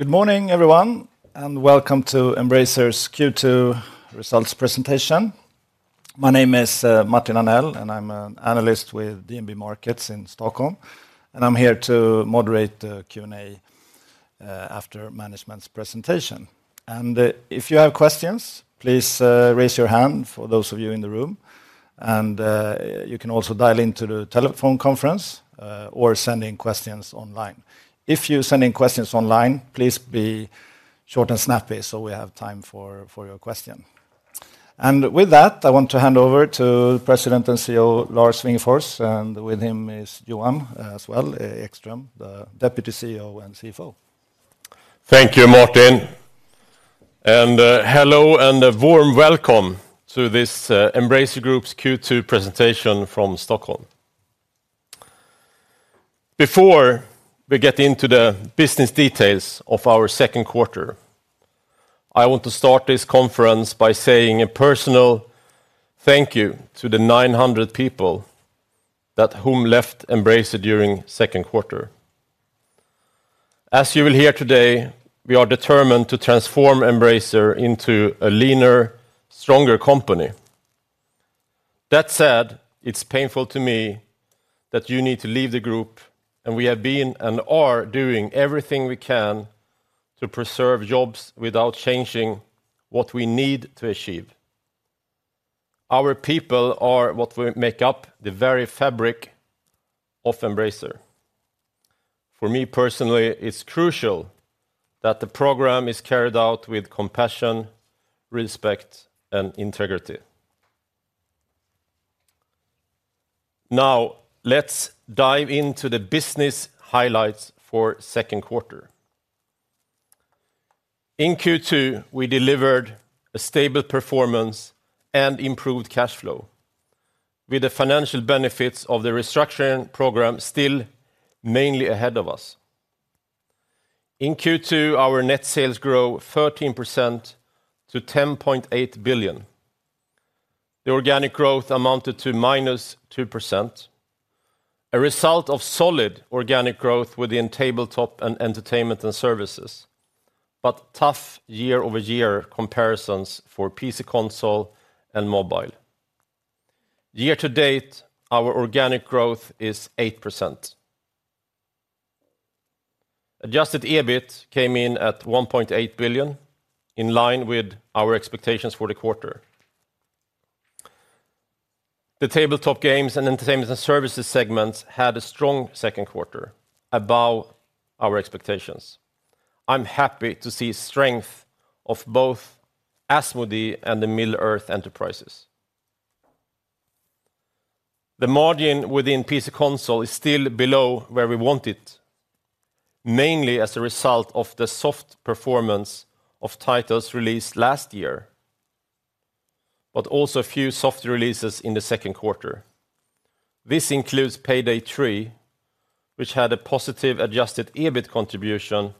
Good morning, everyone, and welcome to Embracer's Q2 results presentation. My name is, Martin Arnell, and I'm an analyst with DNB Markets in Stockholm, and I'm here to moderate the Q&A, after management's presentation. And, if you have questions, please, raise your hand for those of you in the room, and, you can also dial into the telephone conference, or send in questions online. If you're sending questions online, please be short and snappy, so we have time for your question. And with that, I want to hand over to President and CEO, Lars Wingefors, and with him is Johan as well, Ekström, the Deputy CEO and CFO. Thank you, Martin, and hello and a warm welcome to this Embracer Group's Q2 presentation from Stockholm. Before we get into the business details of our second quarter, I want to start this conference by saying a personal thank you to the 900 people whom left Embracer during second quarter. As you will hear today, we are determined to transform Embracer into a leaner, stronger company. That said, it's painful to me that you need to leave the group, and we have been and are doing everything we can to preserve jobs without changing what we need to achieve. Our people are what make up the very fabric of Embracer. For me, personally, it's crucial that the program is carried out with compassion, respect, and integrity. Now, let's dive into the business highlights for second quarter. In Q2, we delivered a stable performance and improved cash flow, with the financial benefits of the restructuring program still mainly ahead of us. In Q2, our net sales grow 13% to 10.8 billion. The organic growth amounted to -2%, a result of solid organic growth within tabletop and entertainment and services, but tough year-over-year comparisons for PC console and mobile. Year to date, our organic growth is 8%. Adjusted EBIT came in at 1.8 billion, in line with our expectations for the quarter. The tabletop games and entertainment and services segments had a strong second quarter, above our expectations. I'm happy to see strength of both Asmodee and the Middle-earth Enterprises. The margin within PC console is still below where we want it, mainly as a result of the soft performance of titles released last year, but also a few soft releases in the second quarter. This includes Payday 3, which had a positive adjusted EBIT contribution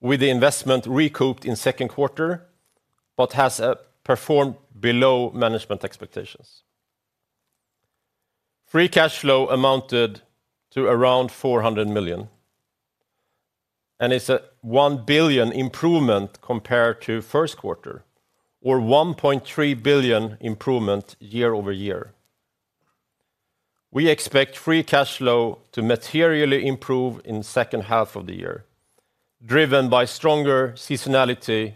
with the investment recouped in second quarter, but has performed below management expectations. Free cash flow amounted to around 400 million, and it's a 1 billion improvement compared to first quarter, or 1.3 billion improvement year-over-year. We expect free cash flow to materially improve in second half of the year, driven by stronger seasonality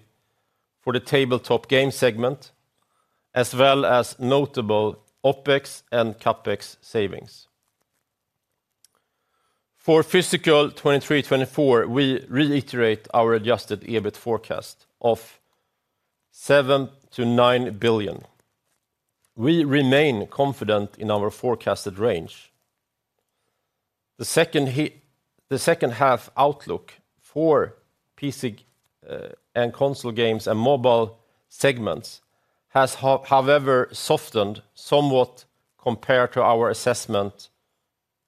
for the tabletop game segment, as well as notable OpEx and CapEx savings. For fiscal 2023, 2024, we reiterate our adjusted EBIT forecast of 7 billion-9 billion. We remain confident in our forecasted range. The second half outlook for PC, and console games and mobile segments has, however, softened somewhat compared to our assessment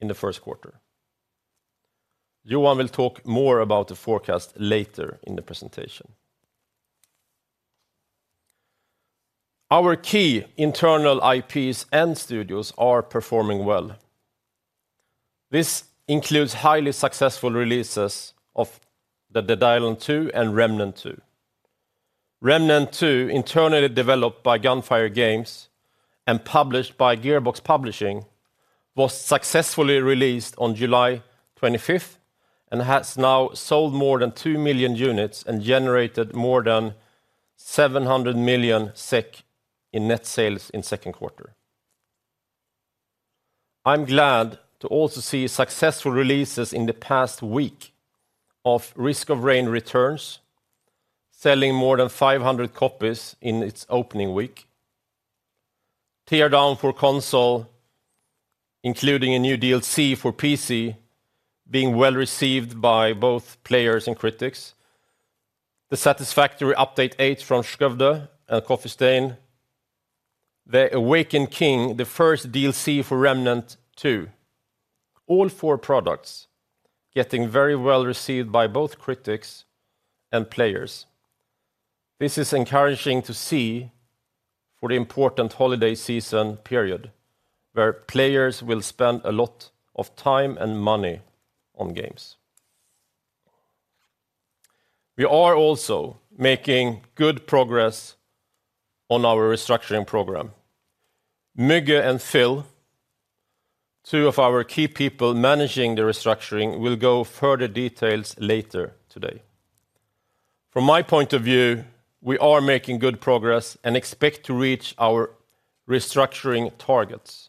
in the first quarter. Johan will talk more about the forecast later in the presentation. Our key internal IPs and studios are performing well. This includes highly successful releases of the Dead Island 2 and Remnant II. Remnant II, internally developed by Gunfire Games and published by Gearbox Publishing, was successfully released on July 25th and has now sold more than 2 million units and generated more than 700 million SEK in net sales in second quarter. I'm glad to also see successful releases in the past week of Risk of Rain Returns, selling more than 500 copies in its opening week. Teardown for console, including a new DLC for PC, being well-received by both players and critics. The Satisfactory Update 8 from Skövde and Coffee Stain. The Awakened King, the first DLC for Remnant II. All four products getting very well-received by both critics and players. This is encouraging to see for the important holiday season period, where players will spend a lot of time and money on games. We are also making good progress on our restructuring program. Müge and Phil, two of our key people managing the restructuring, will go further details later today. From my point of view, we are making good progress and expect to reach our restructuring targets.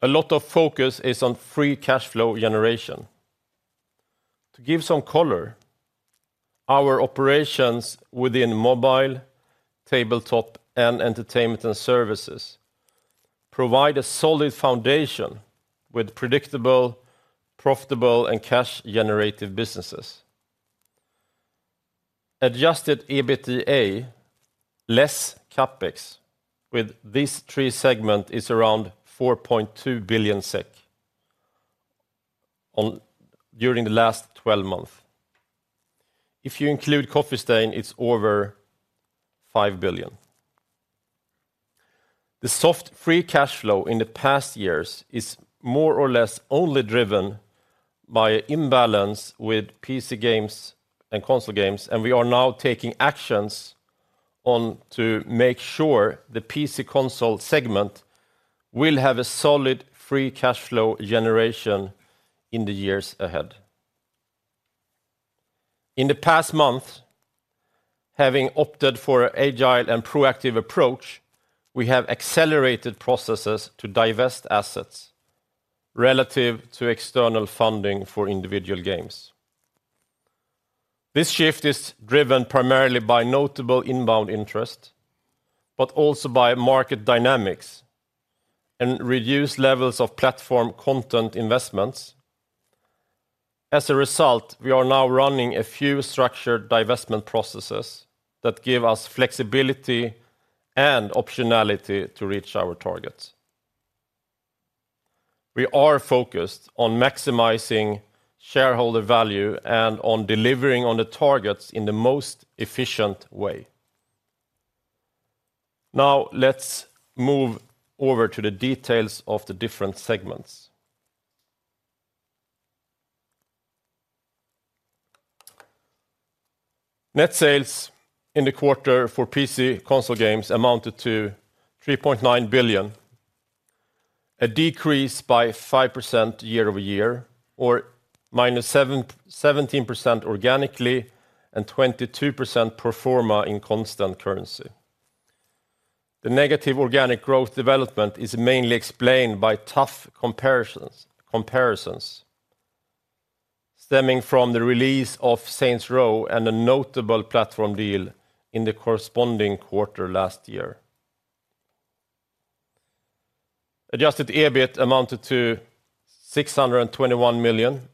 A lot of focus is on free cash flow generation. To give some color, our operations within mobile, tabletop, and entertainment and services provide a solid foundation with predictable, profitable, and cash-generative businesses. Adjusted EBITDA, less CapEx, with these three segment is around 4.2 billion SEK on, during the last 12 months. If you include Coffee Stain, it's over 5 billion. The soft free cash flow in the past years is more or less only driven by imbalance with PC games and console games, and we are now taking actions on to make sure the PC console segment will have a solid free cash flow generation in the years ahead. In the past month, having opted for an agile and proactive approach, we have accelerated processes to divest assets relative to external funding for individual games. This shift is driven primarily by notable inbound interest, but also by market dynamics and reduced levels of platform content investments. As a result, we are now running a few structured divestment processes that give us flexibility and optionality to reach our targets. We are focused on maximizing shareholder value and on delivering on the targets in the most efficient way. Now, let's move over to the details of the different segments. Net sales in the quarter for PC console games amounted to 3.9 billion, a decrease by 5% year-over-year, or -17% organically and 22% pro forma in constant currency. The negative organic growth development is mainly explained by tough comparisons, comparisons stemming from the release of Saints Row and a notable platform deal in the corresponding quarter last year. Adjusted EBIT amounted to 621 million,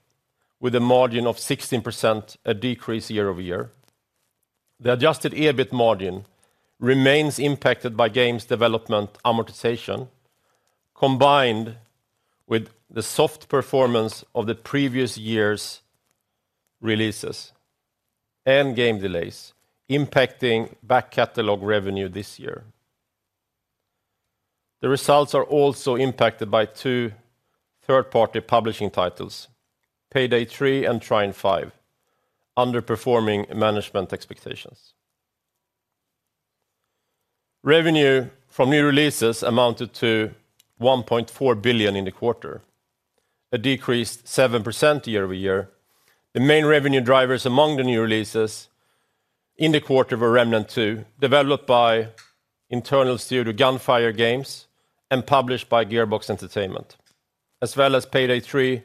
with a margin of 16%, a decrease year-over-year. The adjusted EBIT margin remains impacted by games development amortization, combined with the soft performance of the previous year's releases and game delays, impacting back catalog revenue this year. The results are also impacted by two third-party publishing titles, Payday 3 and Trine 5, underperforming management expectations. Revenue from new releases amounted to 1.4 billion in the quarter, a decreased 7% year-over-year. The main revenue drivers among the new releases in the quarter were Remnant II, developed by internal studio Gunfire Games and published by Gearbox Entertainment, as well as Payday 3,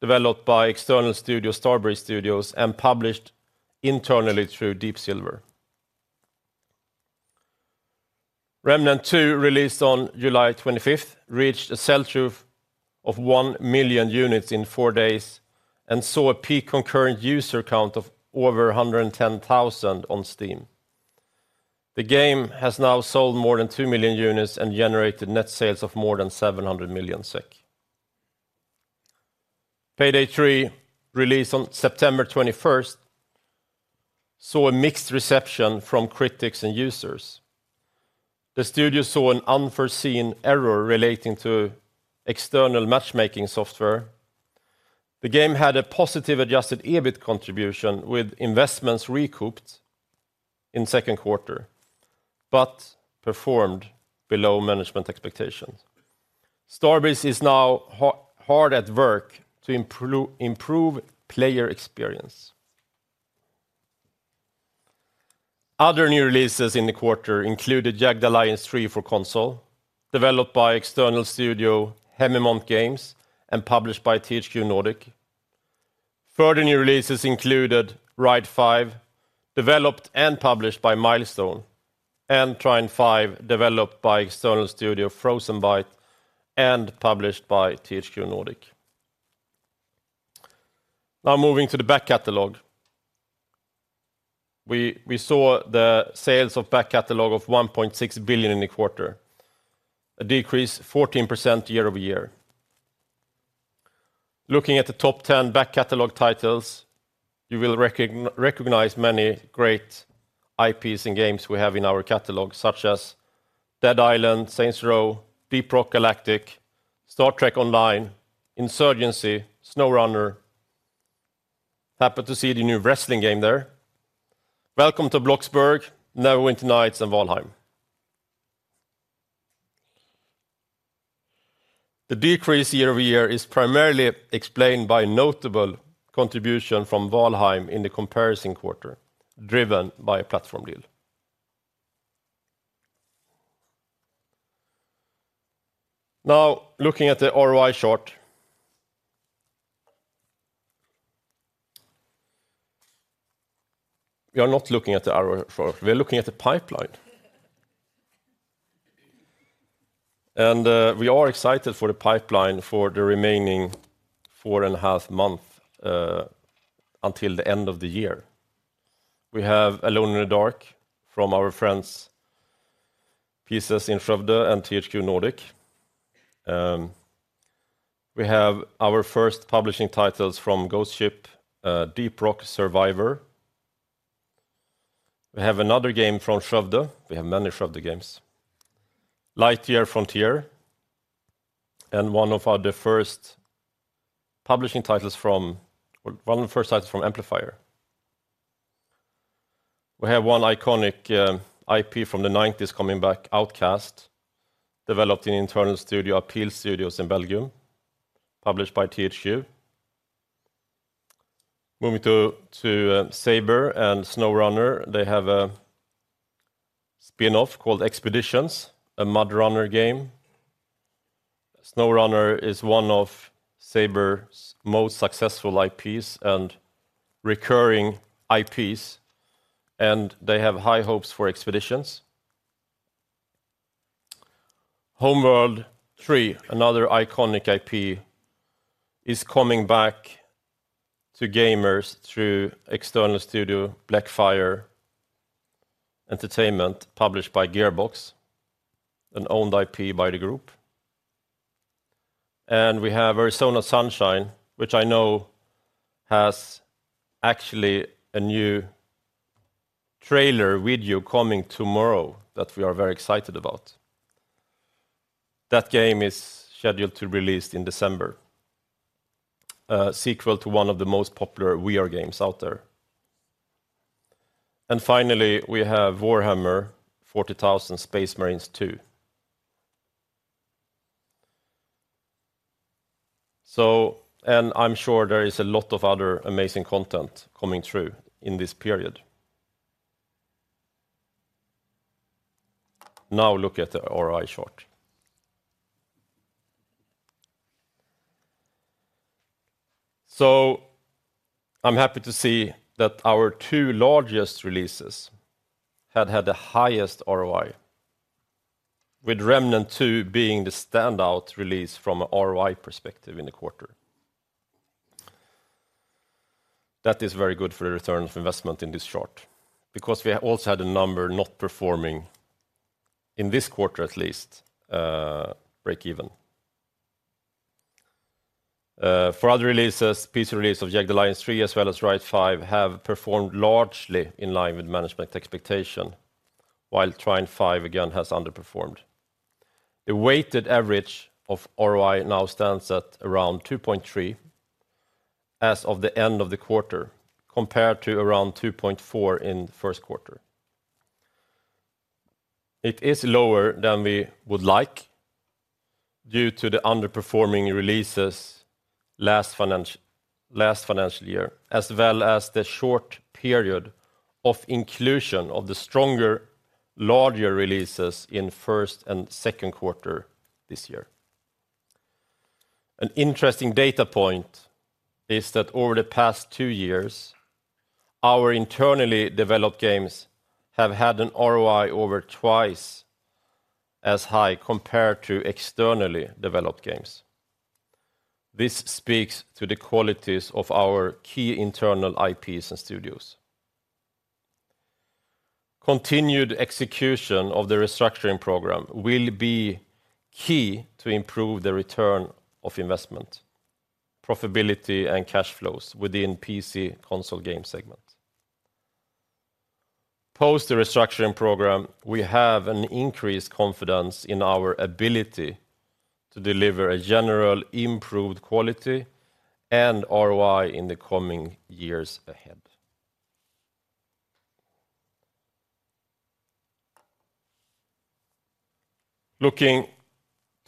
developed by external studio Starbreeze Studios and published internally through Deep Silver. Remnant II, released on July 25th, reached a sell-through of 1 million units in four days and saw a peak concurrent user count of over 110,000 on Steam. The game has now sold more than 2 million units and generated net sales of more than 700 million SEK. Payday 3, released on September 21st, saw a mixed reception from critics and users. The studio saw an unforeseen error relating to external matchmaking software. The game had a positive, adjusted EBIT contribution, with investments recouped in second quarter, but performed below management expectations. Starbreeze is now hard at work to improve player experience. Other new releases in the quarter included Jagged Alliance 3 for console, developed by external studio Haemimont Games and published by THQ Nordic. Further new releases included Ride 5, developed and published by Milestone, and Trine 5, developed by external studio Frozenbyte and published by THQ Nordic. Now moving to the back catalog. We saw the sales of back catalog of 1.6 billion in the quarter, a decrease 14% year-over-year. Looking at the top 10 back catalog titles, you will recognize many great IPs and games we have in our catalog, such as Dead Island, Saints Row, Deep Rock Galactic, Star Trek Online, Insurgency, SnowRunner. Happy to see the new wrestling game there. Welcome to Bloxburg, Neverwinter Nights, and Valheim. The decrease year over year is primarily explained by notable contribution from Valheim in the comparison quarter, driven by a platform deal. Now, looking at the ROI chart. We are not looking at the ROI chart, we are looking at the pipeline. And, we are excited for the pipeline for the remaining four and a half months until the end of the year. We have Alone in the Dark from our friends, Pieces in Skövde and THQ Nordic. We have our first publishing titles from Ghost Ship, Deep Rock Survivor. We have another game from Skövde. We have many Skövde games. Lightyear Frontier, and one of our the first publishing titles from one of the first titles from Amplifier. We have one iconic IP from the nineties coming back, Outcast, developed in internal studio, Appeal Studios in Belgium, published by THQ Nordic. Moving to Saber and SnowRunner, they have a spin-off called Expeditions: A MudRunner Game. SnowRunner is one of Saber's most successful IPs and recurring IPs, and they have high hopes for Expeditions. Homeworld 3, another iconic IP, is coming back to gamers through external studio, Blackbird Interactive, published by Gearbox, an owned IP by the group. And we have Arizona Sunshine, which I know has actually a new trailer video coming tomorrow that we are very excited about. That game is scheduled to release in December, a sequel to one of the most popular VR games out there. And finally, we have Warhammer 40,000: Space Marine II. And I'm sure there is a lot of other amazing content coming through in this period. Now, look at the ROI chart. So I'm happy to see that our two largest releases had had the highest ROI, with Remnant II being the standout release from a ROI perspective in the quarter. That is very good for the return of investment in this chart, because we have also had a number not performing in this quarter, at least, breakeven. For other releases, PC release of Jagged Alliance 3, as well as Trine 5, have performed largely in line with management expectation, while Trine 5, again, has underperformed. The weighted average of ROI now stands at around 2.3 as of the end of the quarter, compared to around 2.4 in the first quarter. It is lower than we would like due to the underperforming releases last financial year, as well as the short period of inclusion of the stronger, larger releases in first and second quarter this year. An interesting data point is that over the past two years, our internally developed games have had an ROI over twice as high compared to externally developed games. This speaks to the qualities of our key internal IPs and studios. Continued execution of the restructuring program will be key to improve the return of investment, profitability, and cash flows within PC console game segment. Post the restructuring program, we have an increased confidence in our ability to deliver a general improved quality and ROI in the coming years ahead. Looking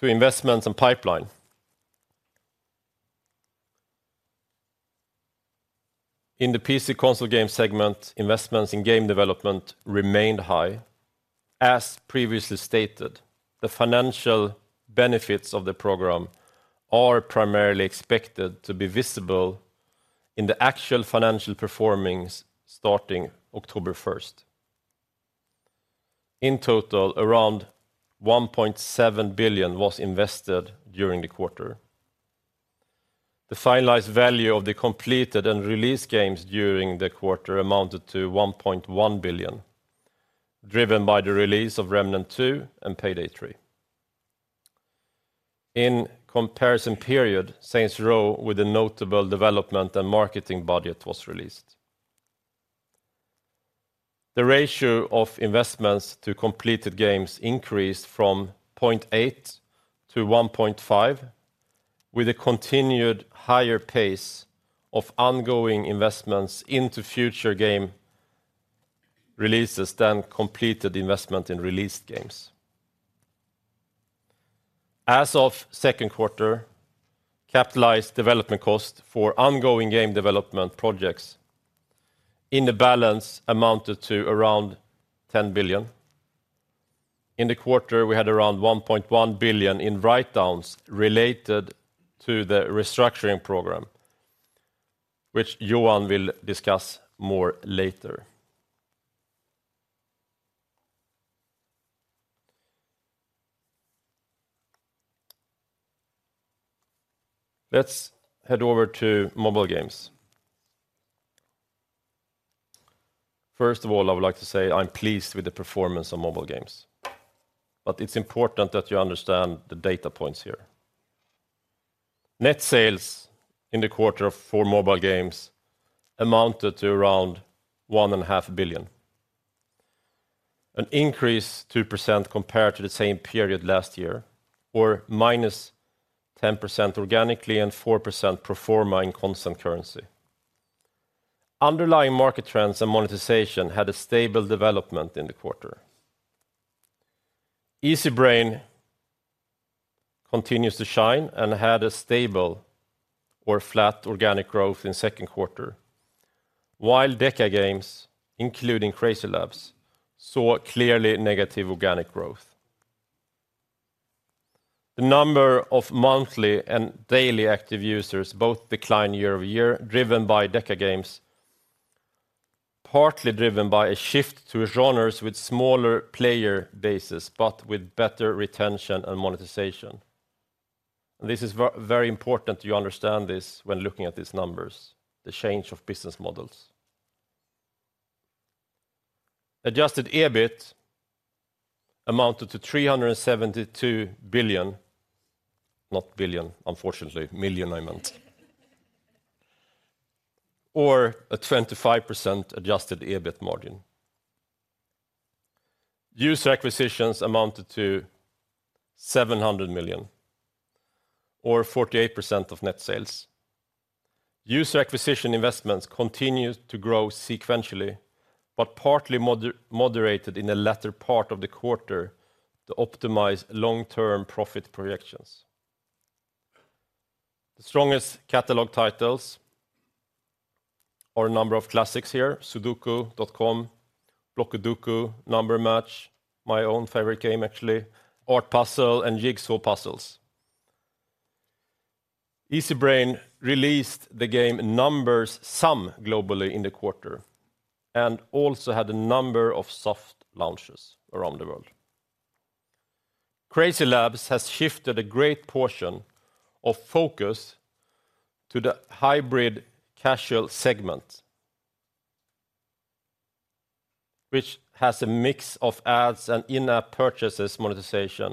to investments and pipeline. In the PC console game segment, investments in game development remained high. As previously stated, the financial benefits of the program are primarily expected to be visible in the actual financial performance starting October 1st. In total, around 1.7 billion was invested during the quarter. The finalized value of the completed and released games during the quarter amounted to 1.1 billion, driven by the release of Remnant II and Payday 3. In comparison period, Saints Row, with a notable development and marketing budget, was released. The ratio of investments to completed games increased from 0.8 to 1.5, with a continued higher pace of ongoing investments into future game releases than completed investment in released games. As of second quarter, capitalized development cost for ongoing game development projects in the balance amounted to around 10 billion. In the quarter, we had around 1.1 billion in write-downs related to the restructuring program, which Johan will discuss more later. Let's head over to mobile games. First of all, I would like to say I'm pleased with the performance of mobile games, but it's important that you understand the data points here. Net sales in the quarter for mobile games amounted to around 1.5 billion, an increase 2% compared to the same period last year, or -10% organically and 4% pro forma in constant currency. Underlying market trends and monetization had a stable development in the quarter. Easybrain continues to shine and had a stable or flat organic growth in second quarter, while DECA Games, including CrazyLabs, saw clearly negative organic growth. The number of monthly and daily active users both declined year-over-year, driven by DECA Games, partly driven by a shift to genres with smaller player bases, but with better retention and monetization. This is very important you understand this when looking at these numbers, the change of business models. Adjusted EBIT amounted to 372 million, not billion, unfortunately, million, I meant. Or a 25% adjusted EBIT margin. User acquisitions amounted to 700 million or 48% of net sales. User acquisition investments continued to grow sequentially, but partly moderated in the latter part of the quarter to optimize long-term profit projections. The strongest catalog titles are a number of classics here, Sudoku.com, Blockudoku, Number Match, my own favorite game, actually, Art Puzzle, and Jigsaw Puzzles. Easybrain released the game Number Sums globally in the quarter and also had a number of soft launches around the world. Crazy Labs has shifted a great portion of focus to the hybrid casual segment, which has a mix of ads and in-app purchases monetization,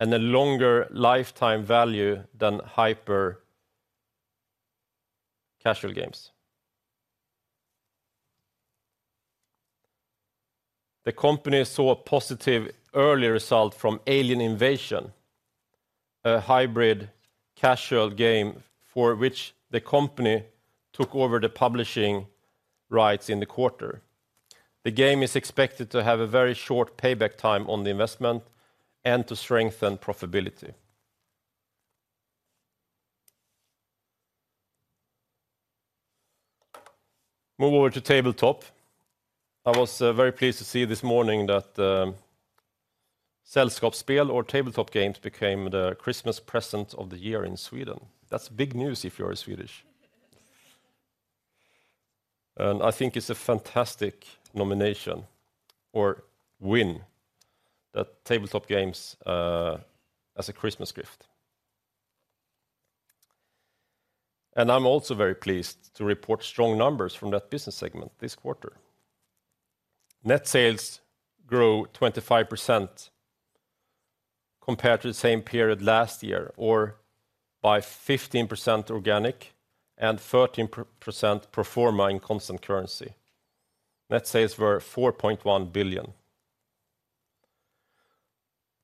and a longer lifetime value than hyper casual games. The company saw a positive early result from Alien Invasion, a hybrid casual game for which the company took over the publishing rights in the quarter. The game is expected to have a very short payback time on the investment and to strengthen profitability. Move over to tabletop. I was very pleased to see this morning that Sällskapsspel or tabletop games became the Christmas present of the year in Sweden. That's big news if you are Swedish. I think it's a fantastic nomination or win that tabletop games as a Christmas gift. I'm also very pleased to report strong numbers from that business segment this quarter. Net sales grew 25% compared to the same period last year, or by 15% organic and 13% pro forma in constant currency. Net sales were SEK 4.1 billion.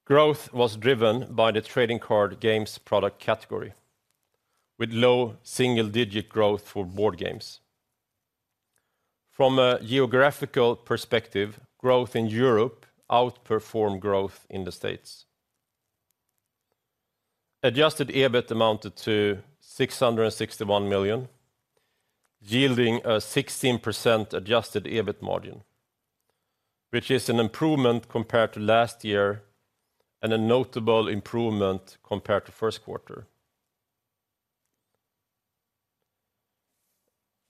Growth was driven by the trading card games product category, with low single-digit growth for board games. From a geographical perspective, growth in Europe outperformed growth in the States. Adjusted EBIT amounted to 661 million, yielding a 16% adjusted EBIT margin, which is an improvement compared to last year and a notable improvement compared to first quarter.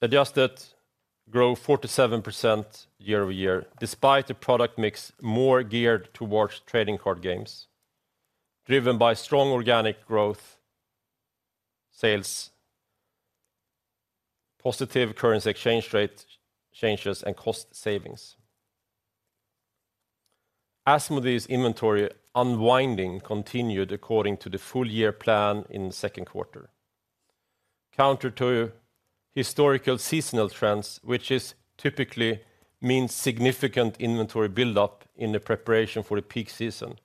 Adjusted grew 47% year-over-year, despite the product mix more geared towards trading card games, driven by strong organic growth, sales, positive currency exchange rate changes and cost savings. Asmodee's inventory unwinding continued according to the full year plan in the second quarter. Counter to historical seasonal trends, which typically means significant inventory buildup in the preparation for the peak season,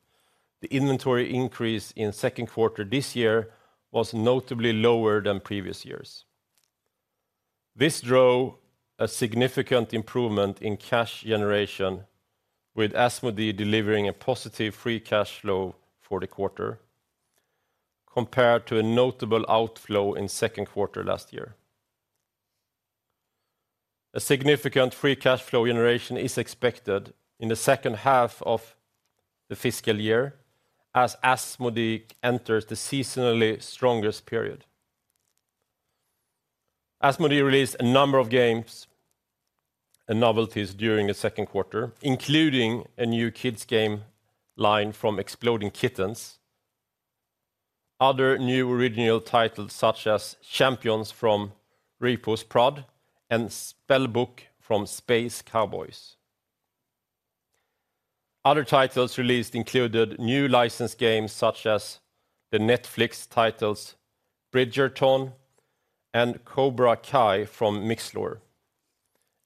the inventory increase in second quarter this year was notably lower than previous years. This drove a significant improvement in cash generation, with Asmodee delivering a positive free cash flow for the quarter, compared to a notable outflow in second quarter last year. A significant free cash flow generation is expected in the second half of the fiscal year as Asmodee enters the seasonally strongest period. Asmodee released a number of games and novelties during the second quarter, including a new kids game line from Exploding Kittens, other new original titles such as Champions from Repos Production, and Spellbook from Space Cowboys. Other titles released included new licensed games such as the Netflix titles, Bridgerton and Cobra Kai from Mixlore,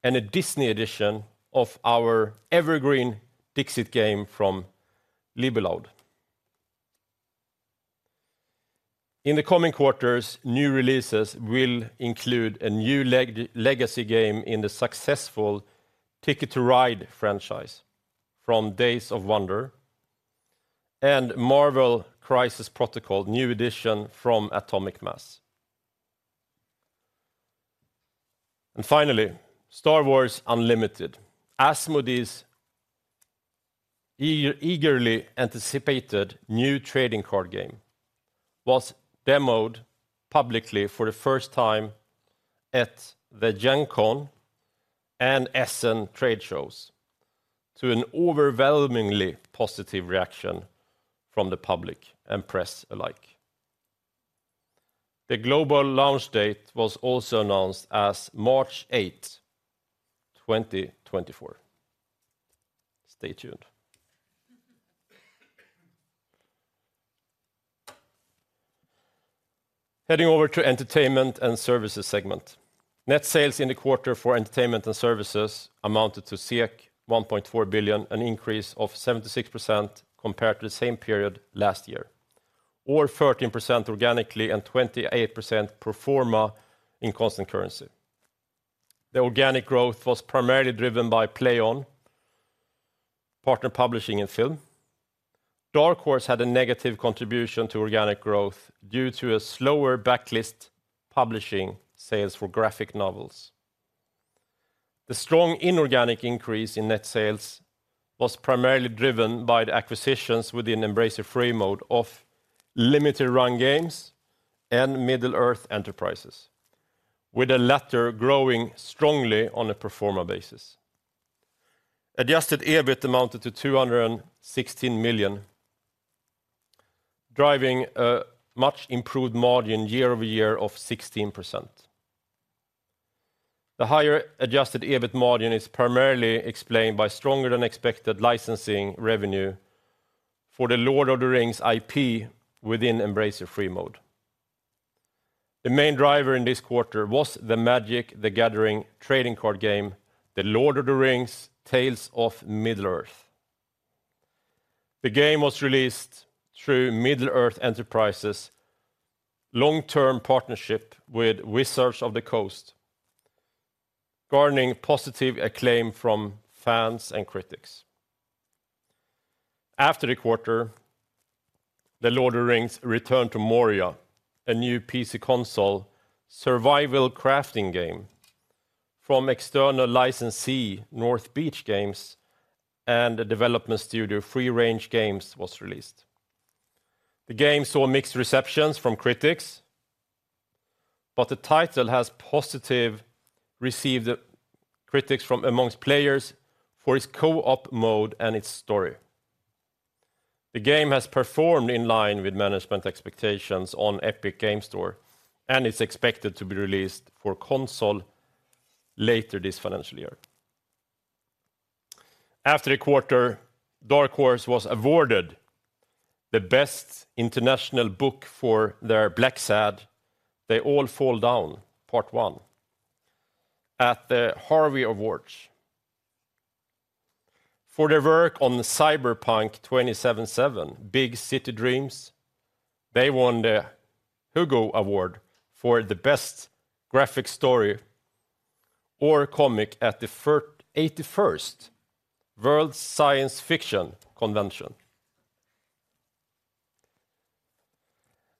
and a Disney edition of our evergreen Dixit game from Libellud. In the coming quarters, new releases will include a new legacy game in the successful Ticket to Ride franchise from Days of Wonder, and Marvel Crisis Protocol, new edition from Atomic Mass. Finally, Star Wars Unlimited. Asmodee's eagerly anticipated new trading card game was demoed publicly for the first time at the Gen Con and Essen trade shows to an overwhelmingly positive reaction from the public and press alike. The global launch date was also announced as March 8, 2024. Stay tuned. Heading over to Entertainment and Services segment. Net sales in the quarter for entertainment and services amounted to 1.4 billion, an increase of 76% compared to the same period last year, or 13% organically and 28% pro forma in constant currency. The organic growth was primarily driven by PLAION, partner publishing, and film. Dark Horse had a negative contribution to organic growth due to a slower backlist publishing sales for graphic novels. The strong inorganic increase in net sales was primarily driven by the acquisitions within Embracer Freemode of Limited Run Games and Middle-earth Enterprises, with the latter growing strongly on a pro forma basis. Adjusted EBIT amounted to 216 million, driving a much improved margin year-over-year of 16%. The higher adjusted EBIT margin is primarily explained by stronger than expected licensing revenue for The Lord of the Rings IP within Embracer Freemode. The main driver in this quarter was the Magic: The Gathering trading card game, The Lord of the Rings: Tales of Middle-earth. The game was released through Middle-earth Enterprises' long-term partnership with Wizards of the Coast, garnering positive acclaim from fans and critics. After the quarter, The Lord of the Rings: Return to Moria, a new PC console survival crafting game from external licensee North Beach Games and the development studio Free Range Games, was released. The game saw mixed receptions from critics, but the title has positive received critics from amongst players for its co-op mode and its story. The game has performed in line with management expectations on Epic Games Store, and it's expected to be released for console later this financial year. After the quarter, Dark Horse was awarded the Best International Book for their Blacksad: They All Fall Down Part One at the Harvey Awards. For their work on the Cyberpunk 2077: Big City Dreams, they won the Hugo Award for the Best Graphic Story or Comic at the first 81st World Science Fiction Convention.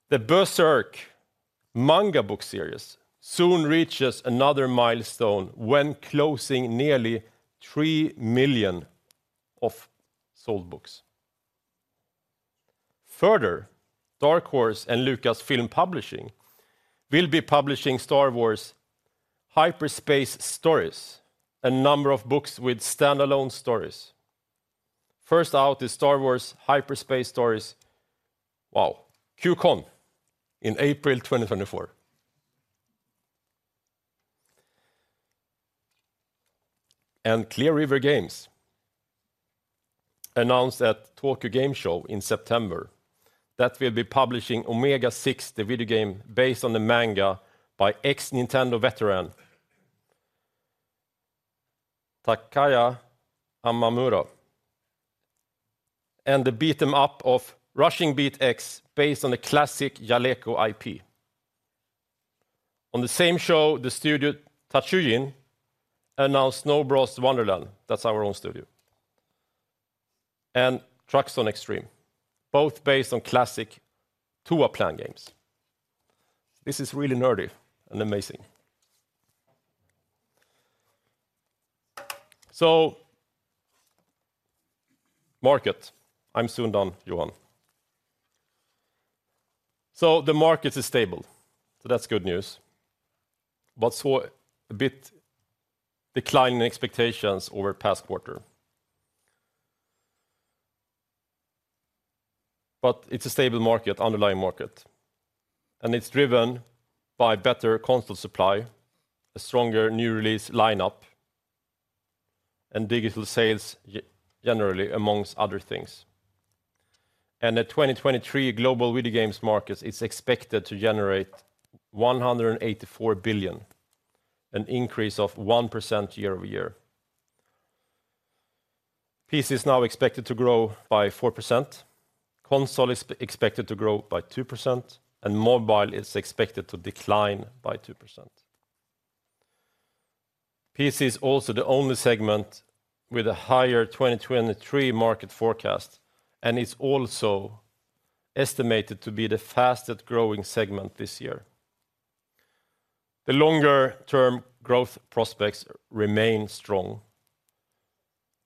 The Berserk manga book series soon reaches another milestone when closing nearly 3 million of sold books. Further, Dark Horse and Lucasfilm Publishing will be publishing Star Wars: Hyperspace Stories, a number of books with standalone stories.... First out is Star Wars: Hyperspace Stories. Wow! Qui-Gon in April 2024. And Clear River Games announced at Tokyo Game Show in September, that we'll be publishing Omega 6, the video game based on the manga by ex-Nintendo veteran, Takaya Imamura, and the beat 'em up of Rushing Beat X, based on the classic Jaleco IP. On the same show, the studio Tatsujin announced Snow Bros. Wonderland, that's our own studio, and Truxton Extreme, both based on classic Toaplan games. This is really nerdy and amazing. Market, I'm soon done, Johan. The market is stable, so that's good news. But saw a bit decline in expectations over past quarter. But it's a stable market, underlying market, and it's driven by better console supply, a stronger new release lineup, and digital sales generally, among other things. The 2023 global video games market is expected to generate $184 billion, an increase of 1% year-over-year. PC is now expected to grow by 4%, console is expected to grow by 2%, and mobile is expected to decline by 2%. PC is also the only segment with a higher 2023 market forecast, and it's also estimated to be the fastest-growing segment this year. The longer-term growth prospects remain strong,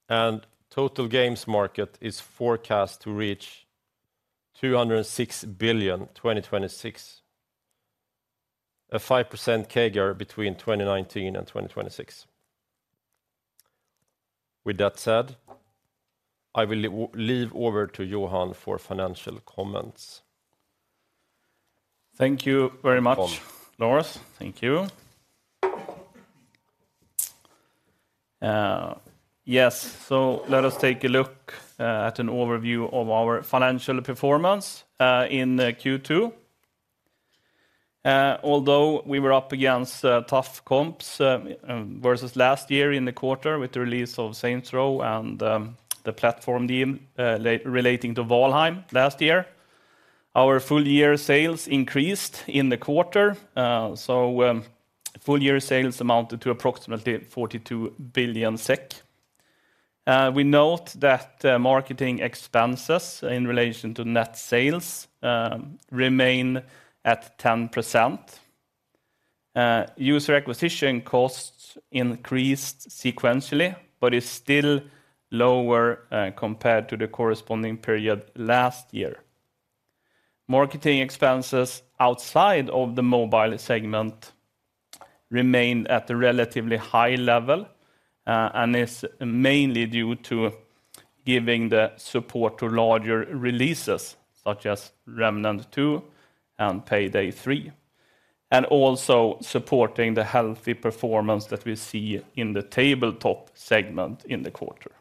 and total games market is forecast to reach $206 billion in 2026, a 5% CAGR between 2019 and 2026. With that said, I will hand over to Johan for financial comments. Thank you very much- Johan. Lars. Thank you. Yes, so let us take a look at an overview of our financial performance in the Q2. Although we were up against tough comps versus last year in the quarter with the release of Saints Row and the platform team relating to Valheim last year, our full year sales increased in the quarter. So, full year sales amounted to approximately 42 billion SEK. We note that marketing expenses in relation to net sales remain at 10%. User acquisition costs increased sequentially, but is still lower compared to the corresponding period last year. Marketing expenses outside of the mobile segment remained at a relatively high level, and is mainly due to giving the support to larger releases, such as Remnant II and Payday 3, and also supporting the healthy performance that we see in the tabletop segment in the quarter.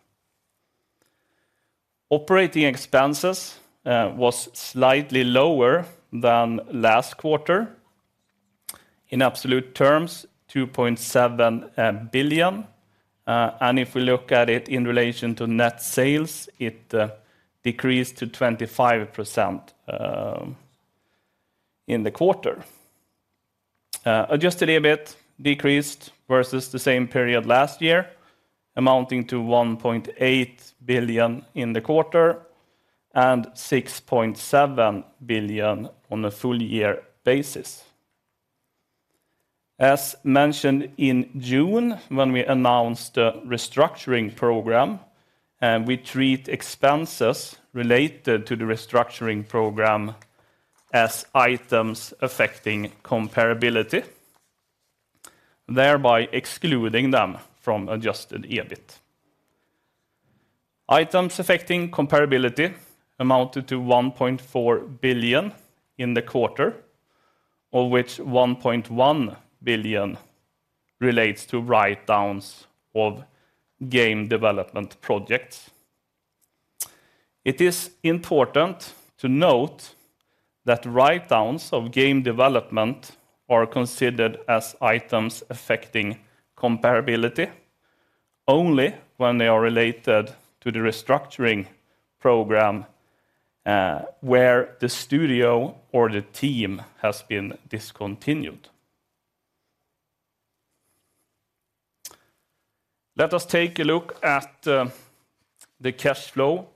Operating expenses was slightly lower than last quarter. In absolute terms, 2.7 billion, and if we look at it in relation to net sales, it decreased to 25% in the quarter. Adjusted EBIT decreased versus the same period last year, amounting to 1.8 billion in the quarter and 6.7 billion on a full year basis. As mentioned in June, when we announced the restructuring program, we treat expenses related to the restructuring program as items affecting comparability, thereby excluding them from Adjusted EBIT. Items affecting comparability amounted to 1.4 billion in the quarter, of which 1.1 billion relates to write-downs of game development projects. It is important to note that write-downs of game development are considered as items affecting comparability only when they are related to the restructuring program, where the studio or the team has been discontinued. Let us take a look at the cash flow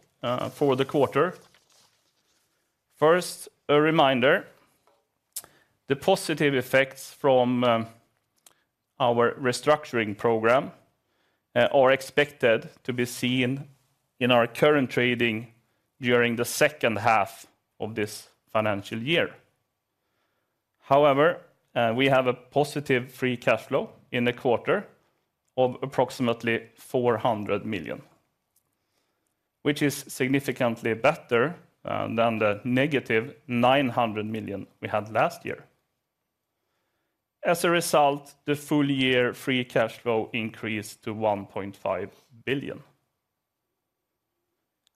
for the quarter. First, a reminder: the positive effects from our restructuring program are expected to be seen in our current trading during the second half of this financial year. However, we have a positive free cash flow in the quarter of approximately 400 million, which is significantly better than the -900 million we had last year. As a result, the full year free cash flow increased to 1.5 billion.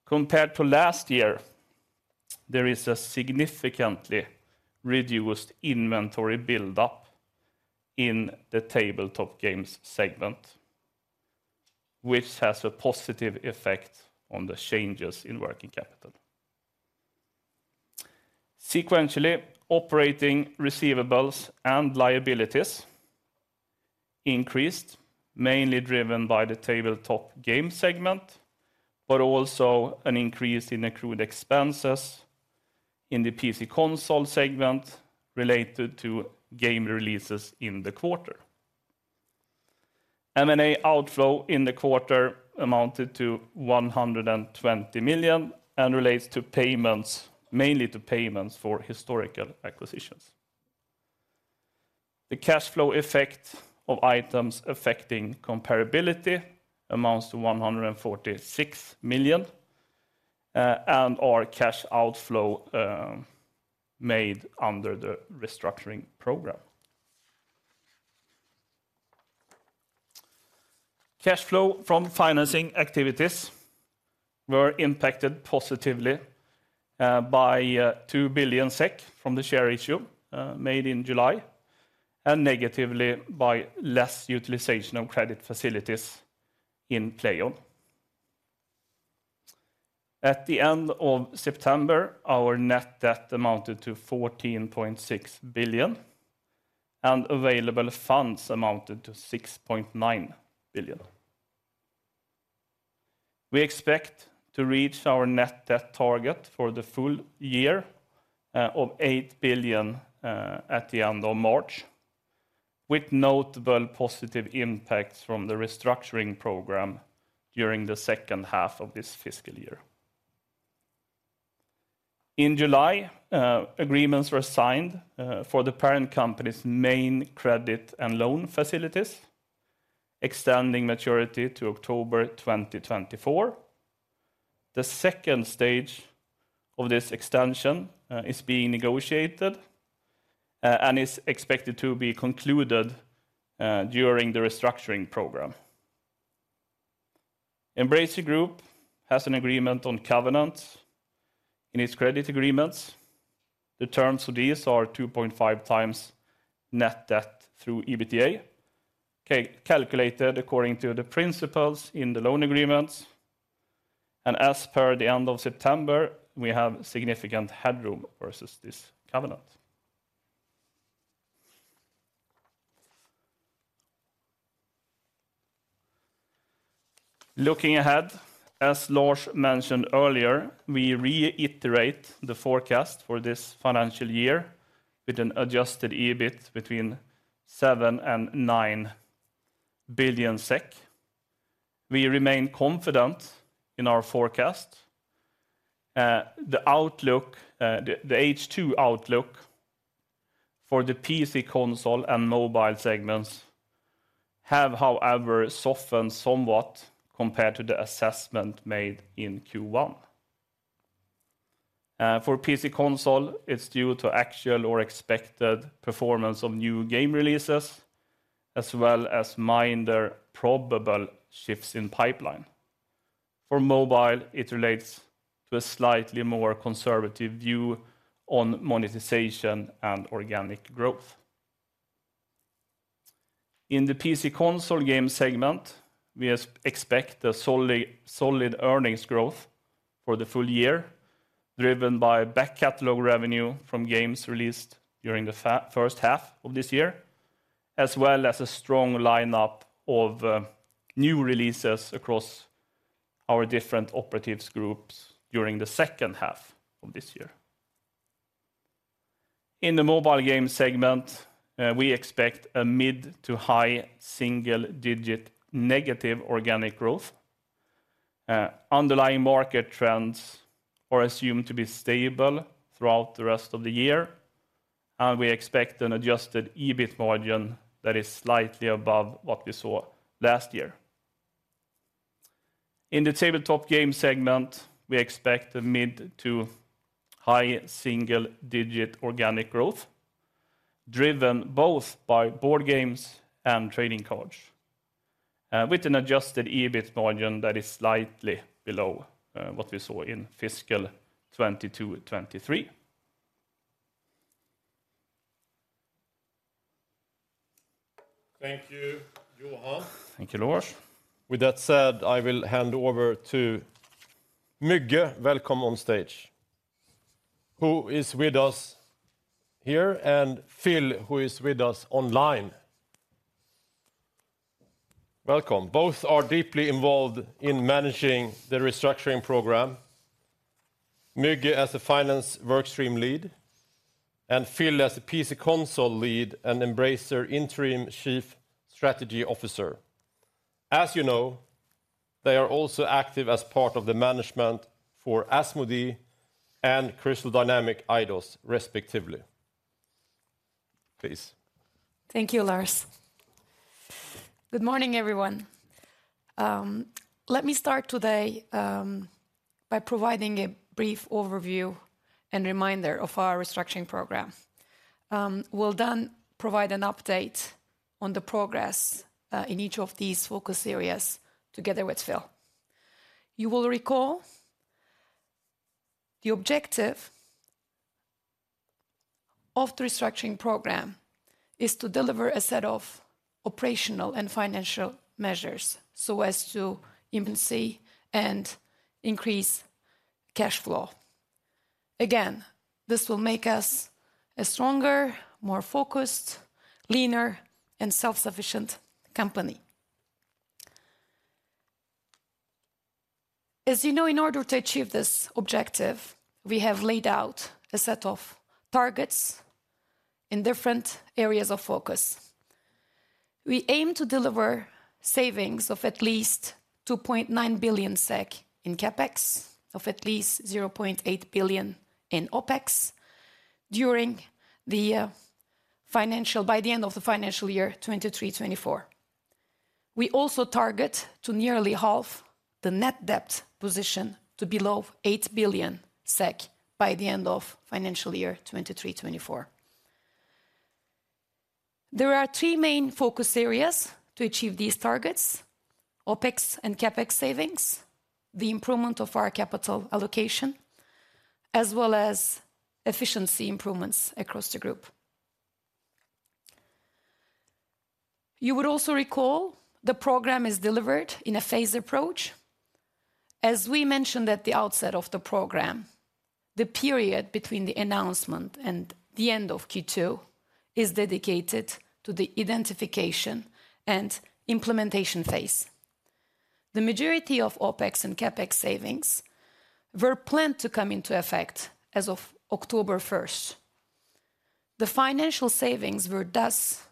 Compared to last year, there is a significantly reduced inventory build-up in the tabletop games segment, which has a positive effect on the changes in working capital. Sequentially, operating receivables and liabilities increased, mainly driven by the tabletop game segment, but also an increase in accrued expenses in the PC console segment related to game releases in the quarter. M&A outflow in the quarter amounted to 120 million, and relates to payments, mainly to payments for historical acquisitions. The cash flow effect of items affecting comparability amounts to 146 million, and our cash outflow made under the restructuring program. Cash flow from financing activities were impacted positively by 2 billion SEK from the share issue made in July, and negatively by less utilization of credit facilities in PLAION. At the end of September, our net debt amounted to 14.6 billion, and available funds amounted to 6.9 billion. We expect to reach our net debt target for the full year of 8 billion at the end of March, with notable positive impacts from the restructuring program during the second half of this fiscal year. In July, agreements were signed for the parent company's main credit and loan facilities, extending maturity to October 2024. The second stage of this extension is being negotiated and is expected to be concluded during the restructuring program. Embracer Group has an agreement on covenants in its credit agreements. The terms of these are 2.5x net debt through EBITDA, calculated according to the principles in the loan agreements, and as per the end of September, we have significant headroom versus this covenant. Looking ahead, as Lars mentioned earlier, we reiterate the forecast for this financial year with an adjusted EBIT between 7 billion and 9 billion SEK. We remain confident in our forecast. The outlook, the H2 outlook for the PC console and mobile segments have, however, softened somewhat compared to the assessment made in Q1. For PC console, it's due to actual or expected performance of new game releases, as well as minor probable shifts in pipeline. For mobile, it relates to a slightly more conservative view on monetization and organic growth. In the PC console game segment, we expect a solid earnings growth for the full year, driven by back catalog revenue from games released during the first half of this year, as well as a strong lineup of new releases across our different operative groups during the second half of this year. In the mobile game segment, we expect a mid to high single-digit negative organic growth. Underlying market trends are assumed to be stable throughout the rest of the year, and we expect an adjusted EBIT margin that is slightly above what we saw last year. In the tabletop game segment, we expect a mid to high single-digit organic growth, driven both by board games and trading cards, with an adjusted EBIT margin that is slightly below what we saw in fiscal 2022 and 2023. Thank you, Johan. Thank you, Lars. With that said, I will hand over to Müge. Welcome on stage. Who is with us here, and Phil, who is with us online. Welcome. Both are deeply involved in managing the restructuring program. Müge, as a finance work stream lead, and Phil, as a PC console lead and Embracer interim Chief Strategy Officer. As you know, they are also active as part of the management for Asmodee and Crystal Dynamics – Eidos, respectively. Please. Thank you, Lars. Good morning, everyone. Let me start today by providing a brief overview and reminder of our restructuring program. We'll then provide an update on the progress in each of these focus areas together with Phil. You will recall, the objective of the restructuring program is to deliver a set of operational and financial measures so as to enable and increase cash flow. Again, this will make us a stronger, more focused, leaner, and self-sufficient company. As you know, in order to achieve this objective, we have laid out a set of targets in different areas of focus. We aim to deliver savings of at least 2.9 billion SEK in CapEx, of at least 0.8 billion in OpEx by the end of the financial year 2023-2024. We also target to nearly halve the net debt position to below 8 billion SEK by the end of financial year 2023-2024. There are three main focus areas to achieve these targets: OpEx and CapEx savings, the improvement of our capital allocation, as well as efficiency improvements across the group. You would also recall the program is delivered in a phased approach. As we mentioned at the outset of the program, the period between the announcement and the end of Q2 is dedicated to the identification and implementation phase. The majority of OpEx and CapEx savings were planned to come into effect as of October 1st. The financial savings were thus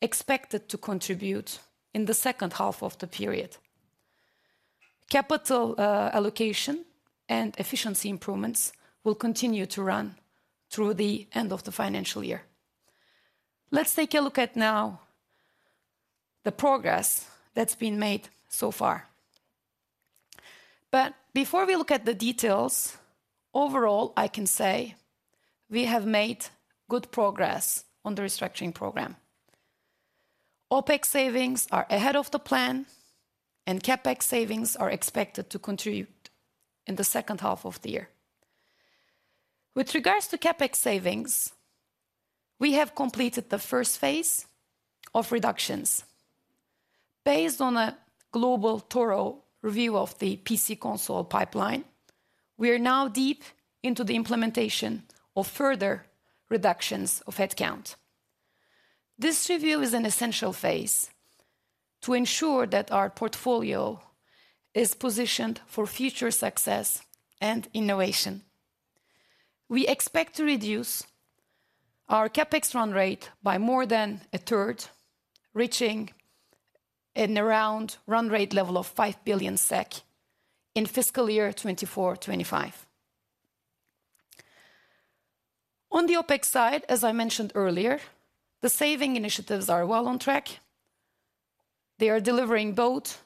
expected to contribute in the second half of the period. Capital allocation and efficiency improvements will continue to run through the end of the financial year. Let's take a look at now the progress that's been made so far. But before we look at the details, overall, I can say we have made good progress on the restructuring program. OpEx savings are ahead of the plan, and CapEx savings are expected to contribute in the second half of the year. With regards to CapEx savings, we have completed the phase I of reductions. Based on a global thorough review of the PC console pipeline, we are now deep into the implementation of further reductions of headcount. This review is an essential phase to ensure that our portfolio is positioned for future success and innovation. We expect to reduce our CapEx run rate by more than a third, reaching around a run rate level of 5 billion SEK in fiscal year 2024, 2025. On the OpEx side, as I mentioned earlier, the saving initiatives are well on track. They are delivering both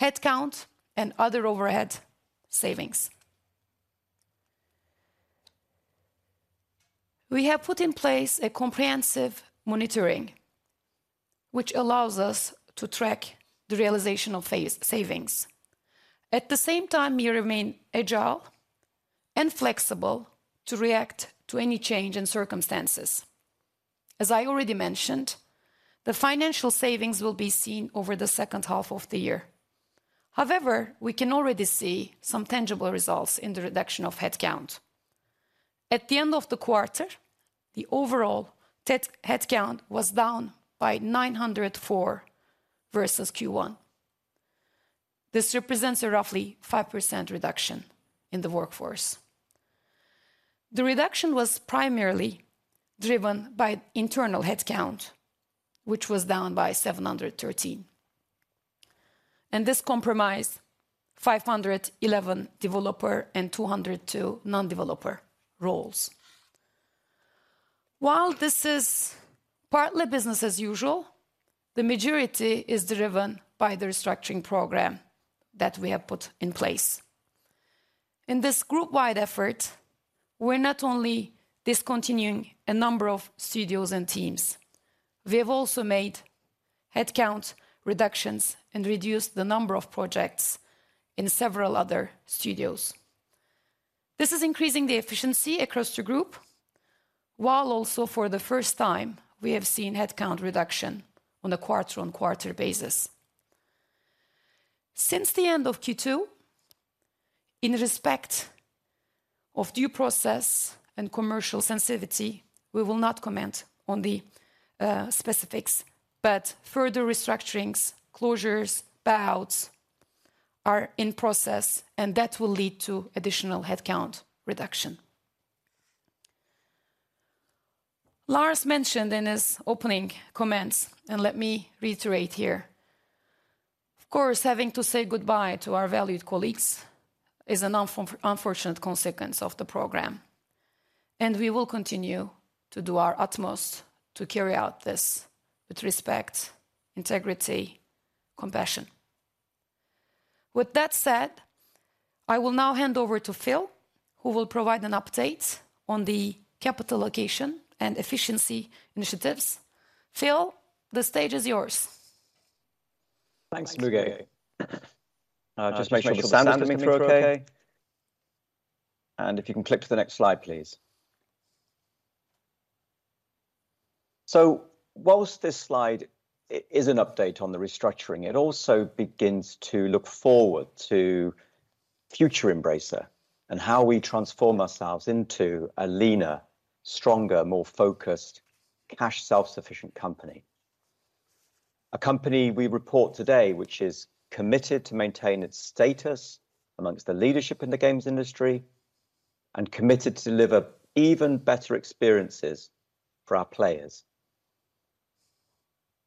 headcount and other overhead savings. We have put in place a comprehensive monitoring, which allows us to track the realization of phase savings. At the same time, we remain agile and flexible to react to any change in circumstances. As I already mentioned, the financial savings will be seen over the second half of the year. However, we can already see some tangible results in the reduction of headcount. At the end of the quarter, the overall tech headcount was down by 904 versus Q1. This represents a roughly 5% reduction in the workforce. The reduction was primarily driven by internal headcount, which was down by 713, and this comprised 511 developer and 202 non-developer roles. While this is partly business as usual, the majority is driven by the restructuring program that we have put in place. In this group-wide effort, we're not only discontinuing a number of studios and teams, we've also made headcount reductions and reduced the number of projects in several other studios. This is increasing the efficiency across the group, while also for the first time, we have seen headcount reduction on a quarter-on-quarter basis. Since the end of Q2, in respect of due process and commercial sensitivity, we will not comment on the specifics, but further restructurings, closures, layoffs are in process, and that will lead to additional headcount reduction.... Lars mentioned in his opening comments, and let me reiterate here, of course, having to say goodbye to our valued colleagues is an unfortunate consequence of the program, and we will continue to do our utmost to carry out this with respect, integrity, compassion. With that said, I will now hand over to Phil, who will provide an update on the capital allocation and efficiency initiatives. Phil, the stage is yours. Thanks, Müge. Just make sure the sound is coming through okay. And if you can click to the next slide, please. So while this slide is an update on the restructuring, it also begins to look forward to future Embracer and how we transform ourselves into a leaner, stronger, more focused, cash self-sufficient company. A company we report today, which is committed to maintain its status among the leadership in the games industry and committed to deliver even better experiences for our players.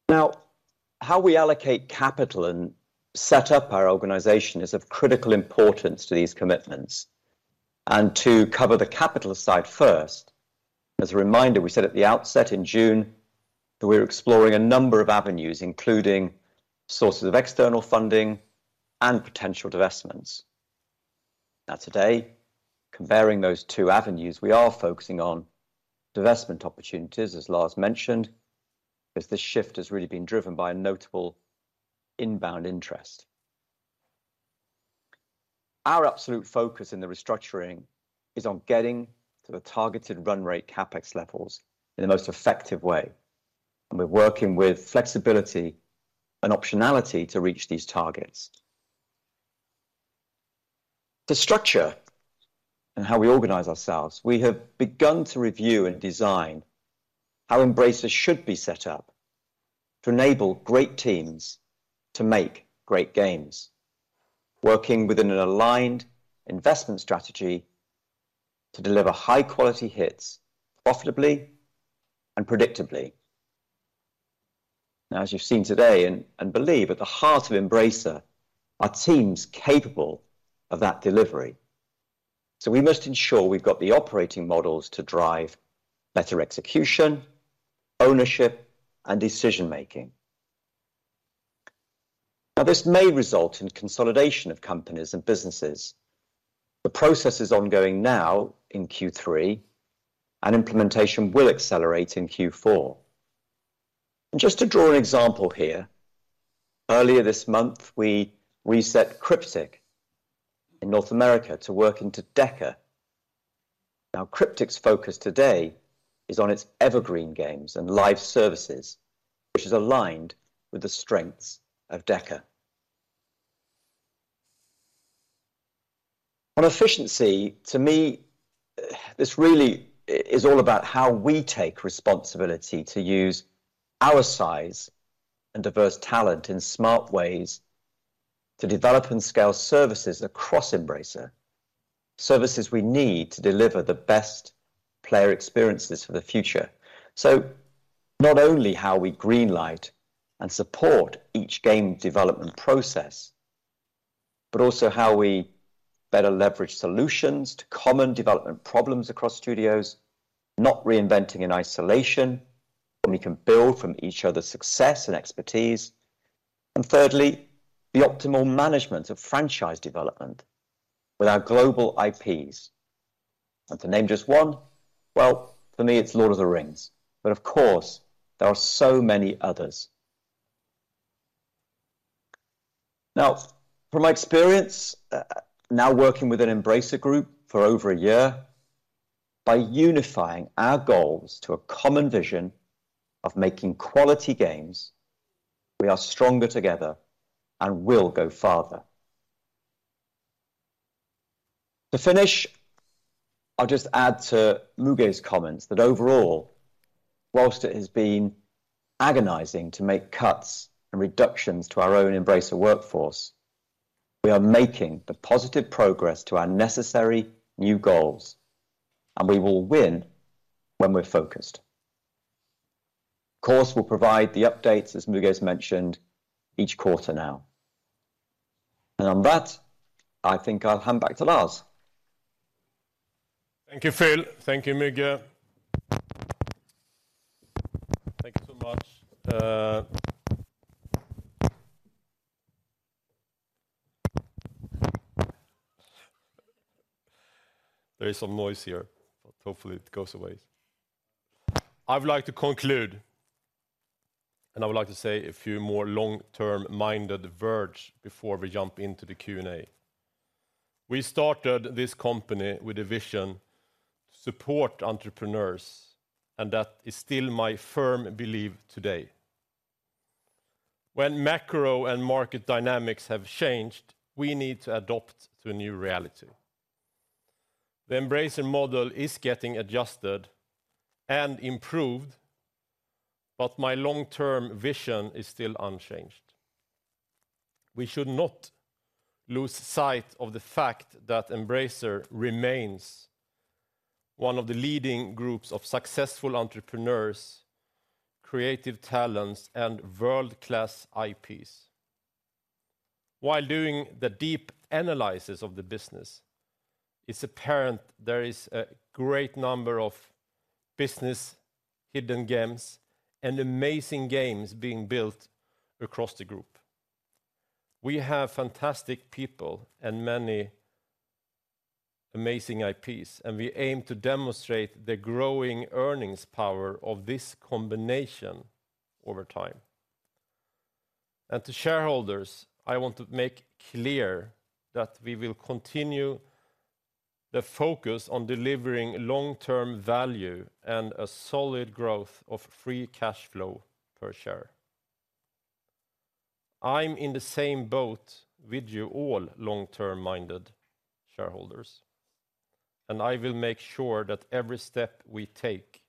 Now, how we allocate capital and set up our organization is of critical importance to these commitments. And to cover the capital side first, as a reminder, we said at the outset in June that we were exploring a number of avenues, including sources of external funding and potential divestments. Now, today, comparing those two avenues, we are focusing on divestment opportunities, as Lars mentioned, as this shift has really been driven by a notable inbound interest. Our absolute focus in the restructuring is on getting to the targeted run rate CapEx levels in the most effective way, and we're working with flexibility and optionality to reach these targets. The structure and how we organize ourselves, we have begun to review and design how Embracer should be set up to enable great teams to make great games, working within an aligned investment strategy to deliver high quality hits profitably and predictably. Now, as you've seen today and believe, at the heart of Embracer, are teams capable of that delivery. So we must ensure we've got the operating models to drive better execution, ownership, and decision-making. Now, this may result in consolidation of companies and businesses. The process is ongoing now in Q3, and implementation will accelerate in Q4. Just to draw an example here, earlier this month, we reset Cryptic in North America to work into DECA. Now, Cryptic's focus today is on its evergreen games and live services, which is aligned with the strengths of DECA. On efficiency, to me, this really is all about how we take responsibility to use our size and diverse talent in smart ways to develop and scale services across Embracer. Services we need to deliver the best player experiences for the future. So not only how we greenlight and support each game development process, but also how we better leverage solutions to common development problems across studios, not reinventing in isolation, and we can build from each other's success and expertise. And thirdly, the optimal management of franchise development with our global IPs. To name just one, well, for me, it's Lord of the Rings, but of course, there are so many others. Now, from my experience, now working with an Embracer Group for over a year, by unifying our goals to a common vision of making quality games, we are stronger together and will go farther. To finish, I'll just add to Müge's comments that overall, while it has been agonizing to make cuts and reductions to our own Embracer workforce, we are making the positive progress to our necessary new goals, and we will win when we're focused. Of course, we'll provide the updates, as Müge's mentioned, each quarter now. On that, I think I'll hand back to Lars. Thank you, Phil. Thank you, Müge. Thank you so much. There is some noise here, but hopefully it goes away. I would like to conclude, and I would like to say a few more long-term minded words before we jump into the Q&A. We started this company with a vision to support entrepreneurs, and that is still my firm belief today. When macro and market dynamics have changed, we need to adapt to a new reality. The Embracer model is getting adjusted and improved, but my long-term vision is still unchanged.... We should not lose sight of the fact that Embracer remains one of the leading groups of successful entrepreneurs, creative talents, and world-class IPs. While doing the deep analysis of the business, it's apparent there is a great number of business hidden gems and amazing games being built across the group. We have fantastic people and many amazing IPs, and we aim to demonstrate the growing earnings power of this combination over time. To shareholders, I want to make clear that we will continue the focus on delivering long-term value and a solid growth of free cash flow per share. I'm in the same boat with you all long-term minded shareholders, and I will make sure that every step we take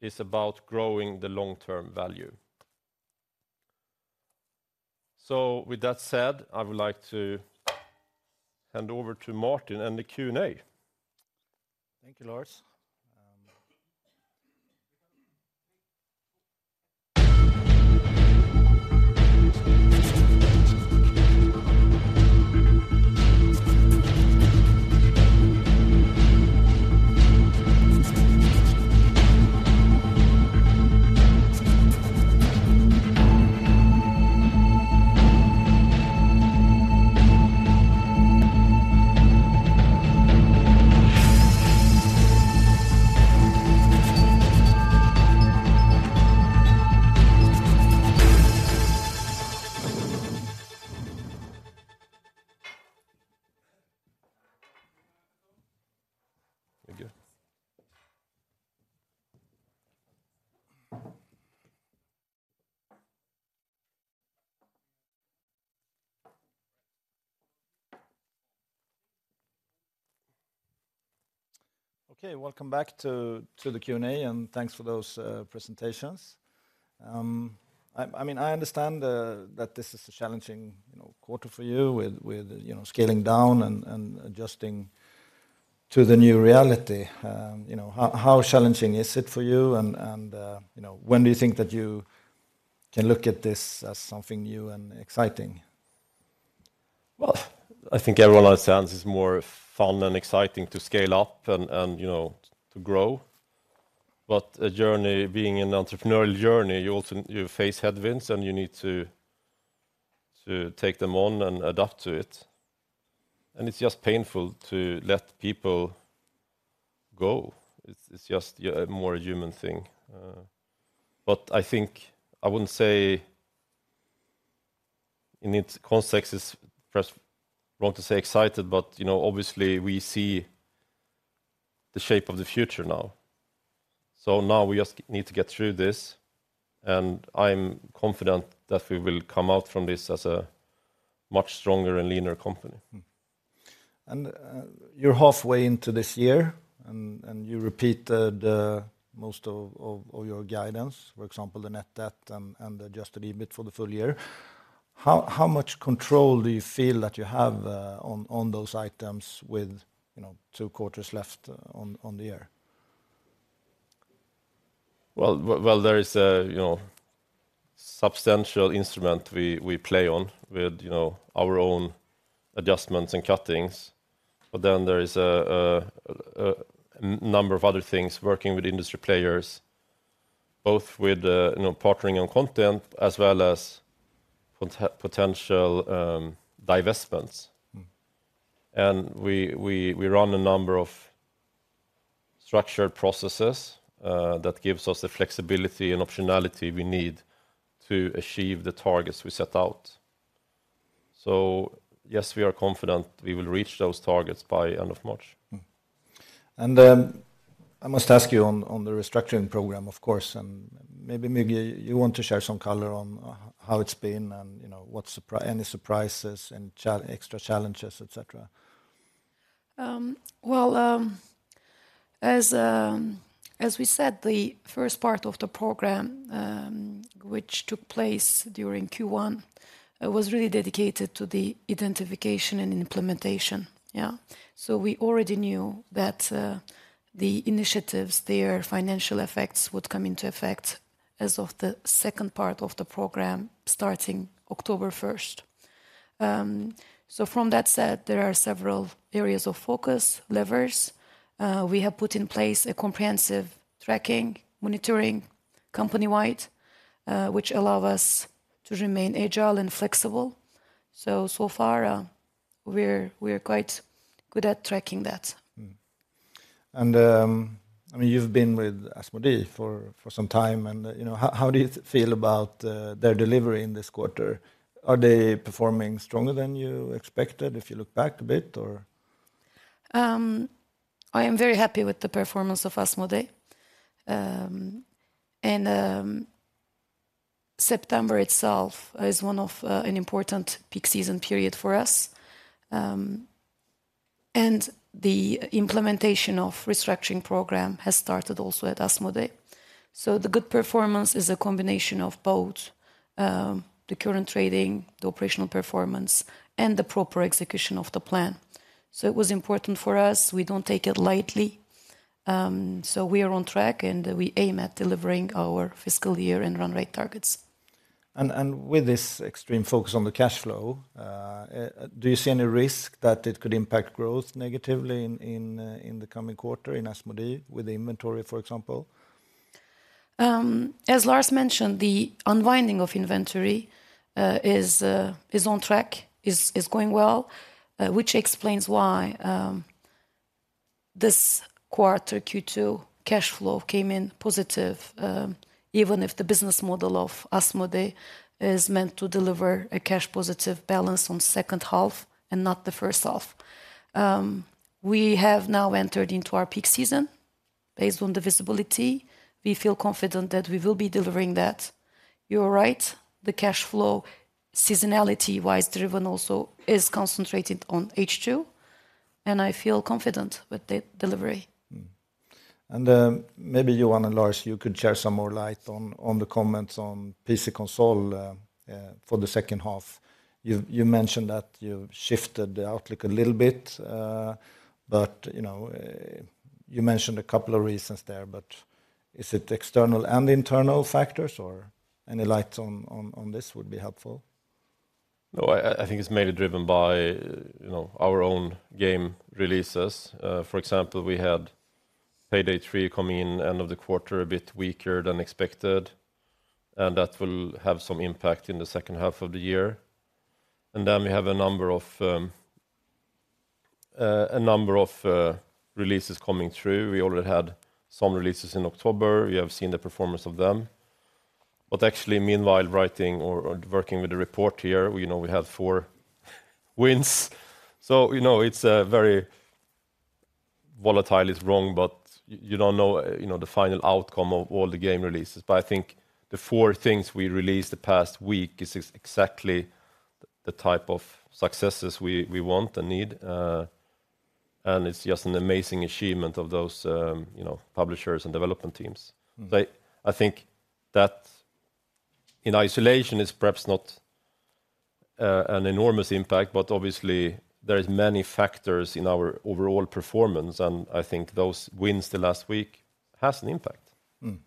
is about growing the long-term value. With that said, I would like to hand over to Martin and the Q&A. Thank you, Lars. Thank you. Okay, welcome back to the Q&A, and thanks for those presentations. I mean, I understand that this is a challenging, you know, quarter for you with, you know, scaling down and adjusting to the new reality. You know, how challenging is it for you, and, you know, when do you think that you can look at this as something new and exciting? Well, I think everyone understands it's more fun and exciting to scale up and, you know, to grow. But a journey, being an entrepreneurial journey, you also face headwinds, and you need to take them on and adapt to it. And it's just painful to let people go. It's just a more human thing. But I think I wouldn't say in its context, it's perhaps wrong to say excited, but, you know, obviously we see the shape of the future now. So now we just need to get through this, and I'm confident that we will come out from this as a much stronger and leaner company. Mm-hmm. And you're halfway into this year, and you repeat the most of your guidance, for example, the net debt and the Adjusted EBIT for the full year. How much control do you feel that you have on those items with, you know, two quarters left on the year? Well, there is a, you know, substantial instrument we play on with, you know, our own adjustments and cuttings. But then there is a number of other things working with industry players, both with, you know, partnering on content as well as potential divestments. Mm. We run a number of structured processes that gives us the flexibility and optionality we need to achieve the targets we set out. Yes, we are confident we will reach those targets by end of March. Mm-hmm. I must ask you on the restructuring program, of course, and maybe, Müge, you want to share some color on how it's been and, you know, what any surprises and extra challenges, et cetera. Well, as we said, the first part of the program, which took place during Q1, was really dedicated to the identification and implementation. Yeah. So we already knew that, the initiatives, their financial effects would come into effect as of the second part of the program, starting October 1st. So from that said, there are several areas of focus, levers. We have put in place a comprehensive tracking, monitoring, company-wide, which allow us to remain agile and flexible. So far, we are quite good at tracking that. Mm-hmm. And, I mean, you've been with Asmodee for some time, and, you know, how do you feel about their delivery in this quarter? Are they performing stronger than you expected, if you look back a bit, or? I am very happy with the performance of Asmodee. September itself is one of an important peak season period for us. The implementation of restructuring program has started also at Asmodee. So the good performance is a combination of both, the current trading, the operational performance, and the proper execution of the plan. So it was important for us. We don't take it lightly. We are on track, and we aim at delivering our fiscal year and run rate targets. With this extreme focus on the cash flow, do you see any risk that it could impact growth negatively in the coming quarter in Asmodee with the inventory, for example? As Lars mentioned, the unwinding of inventory is on track and is going well, which explains why this quarter, Q2, cash flow came in positive, even if the business model of Asmodee is meant to deliver a cash-positive balance on second half and not the first half. We have now entered into our peak season. Based on the visibility, we feel confident that we will be delivering that. You are right, the cash flow, seasonality-wise driven also, is concentrated on H2, and I feel confident with the delivery. Mm-hmm. And maybe you want to, Lars, you could share some more light on the comments on PC console for the second half. You mentioned that you've shifted the outlook a little bit, but you know, you mentioned a couple of reasons there, but is it external and internal factors, or any light on this would be helpful. No, I think it's mainly driven by, you know, our own game releases. For example, we had Payday 3 coming in end of the quarter, a bit weaker than expected, and that will have some impact in the second half of the year. And then we have a number of releases coming through. We already had some releases in October. We have seen the performance of them. But actually, meanwhile, writing or working with the report here, you know, we have four wins. So, you know, it's very... Volatile is wrong, but you don't know, you know, the final outcome of all the game releases. But I think the four things we released the past week is exactly the type of successes we want and need. It's just an amazing achievement of those, you know, publishers and development teams. Mm-hmm. But I think that in isolation, it's perhaps not an enormous impact, but obviously there is many factors in our overall performance, and I think those wins the last week has an impact. Mm-hmm.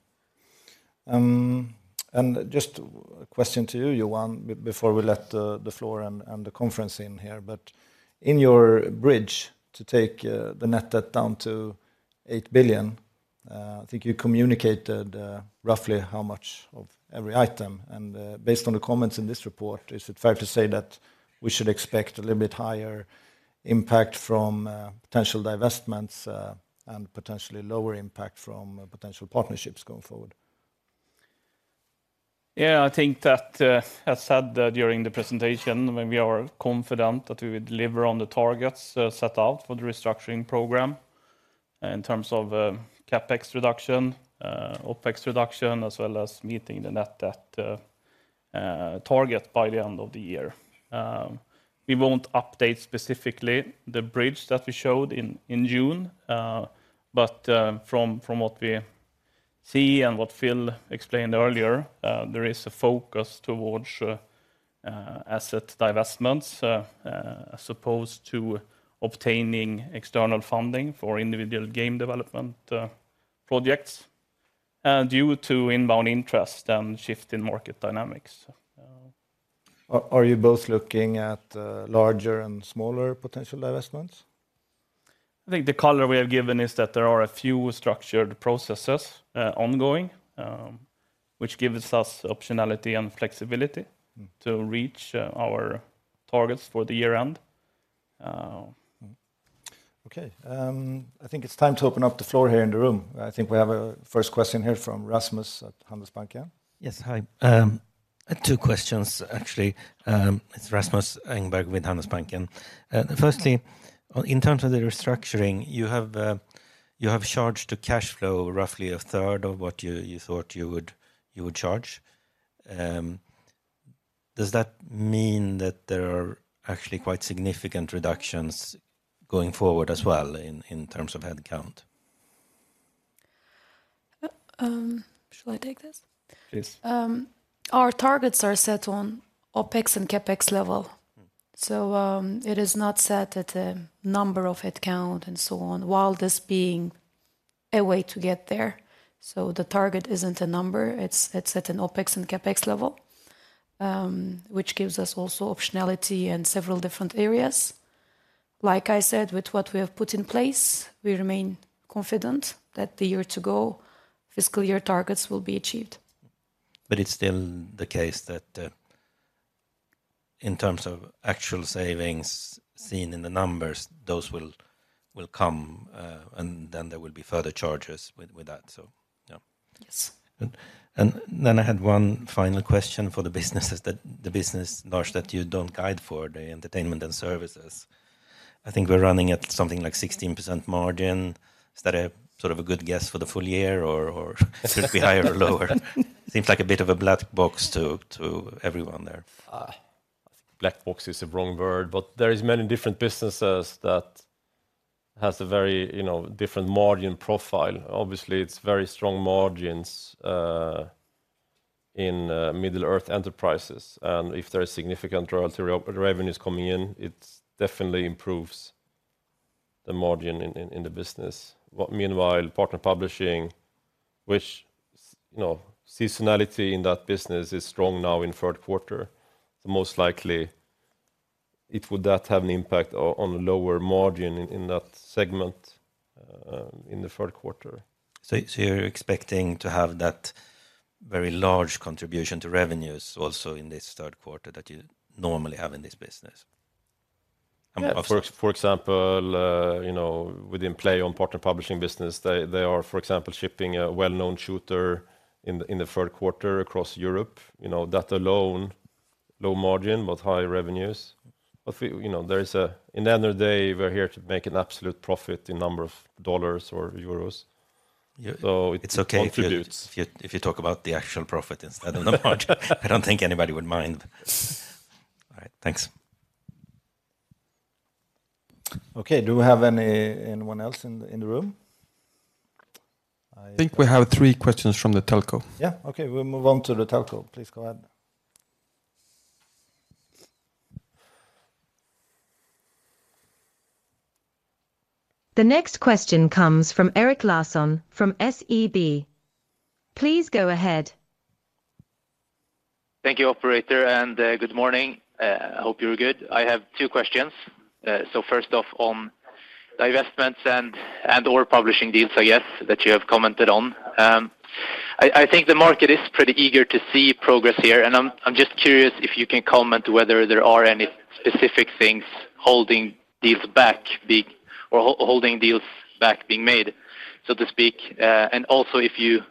And just a question to you, Johan, before we let the floor and the conference in here. But in your bridge to take the net debt down to 8 billion, I think you communicated roughly how much of every item. And based on the comments in this report, is it fair to say that we should expect a little bit higher impact from potential divestments and potentially lower impact from potential partnerships going forward? Yeah, I think that I said that during the presentation, when we are confident that we would deliver on the targets set out for the restructuring program in terms of CapEx reduction, OpEx reduction, as well as meeting the net debt target by the end of the year. We won't update specifically the bridge that we showed in June, but from what we see and what Phil explained earlier, there is a focus towards asset divestments as opposed to obtaining external funding for individual game development projects, and due to inbound interest and shift in market dynamics. Are you both looking at larger and smaller potential divestments? I think the color we have given is that there are a few structured processes, ongoing, which gives us optionality and flexibility- Mm. to reach our targets for the year end. Okay, I think it's time to open up the floor here in the room. I think we have a first question here from Rasmus at Handelsbanken. Yes. Hi. I have two questions, actually. It's Rasmus Engberg with Handelsbanken. Firstly, in terms of the restructuring, you have charged to cash flow roughly a third of what you thought you would charge. Does that mean that there are actually quite significant reductions going forward as well in terms of head count? Shall I take this? Please. Our targets are set on OpEx and CapEx level. Mm. It is not set at a number of head count and so on, while this being a way to get there. The target isn't a number, it's, it's at an OpEx and CapEx level, which gives us also optionality in several different areas. Like I said, with what we have put in place, we remain confident that the year-to-go fiscal year targets will be achieved. But it's still the case that, in terms of actual savings seen in the numbers, those will come, and then there will be further charges with that, so yeah. Yes. Then I had one final question for the business, Lars, that you don't guide for, the entertainment and services. I think we're running at something like 16% margin. Is that a sort of a good guess for the full year or should it be higher or lower? Seems like a bit of a black box to everyone there. Black box is the wrong word, but there is many different businesses that has a very, you know, different margin profile. Obviously, it's very strong margins in Middle-earth Enterprises, and if there is significant royalty revenues coming in, it definitely improves the margin in the business. Meanwhile, partner publishing, which, you know, seasonality in that business is strong now in third quarter. The most likely it would not have an impact on lower margin in that segment in the third quarter. So, you're expecting to have that very large contribution to revenues also in this third quarter that you normally have in this business? Yeah. For example, you know, within PLAION partner publishing business, they are, for example, shipping a well-known shooter in the third quarter across Europe. You know, that alone, low margin, but high revenues. But, you know, in the end of the day, we're here to make an absolute profit in number of dollars or euros. Yeah. It contributes- It's okay if you talk about the actual profit instead of the margin. I don't think anybody would mind. All right, thanks. Okay. Do we have anyone else in the room? I think we have three questions from the telco. Yeah. Okay, we'll move on to the telco. Please go ahead. The next question comes from Erik Larsson from SEB. Please go ahead. Thank you, operator, and good morning. I hope you're good. I have two questions. So first off, on the investments and/or publishing deals, I guess, that you have commented on. I think the market is pretty eager to see progress here, and I'm just curious if you can comment whether there are any specific things holding deals back being made, so to speak. And also, if you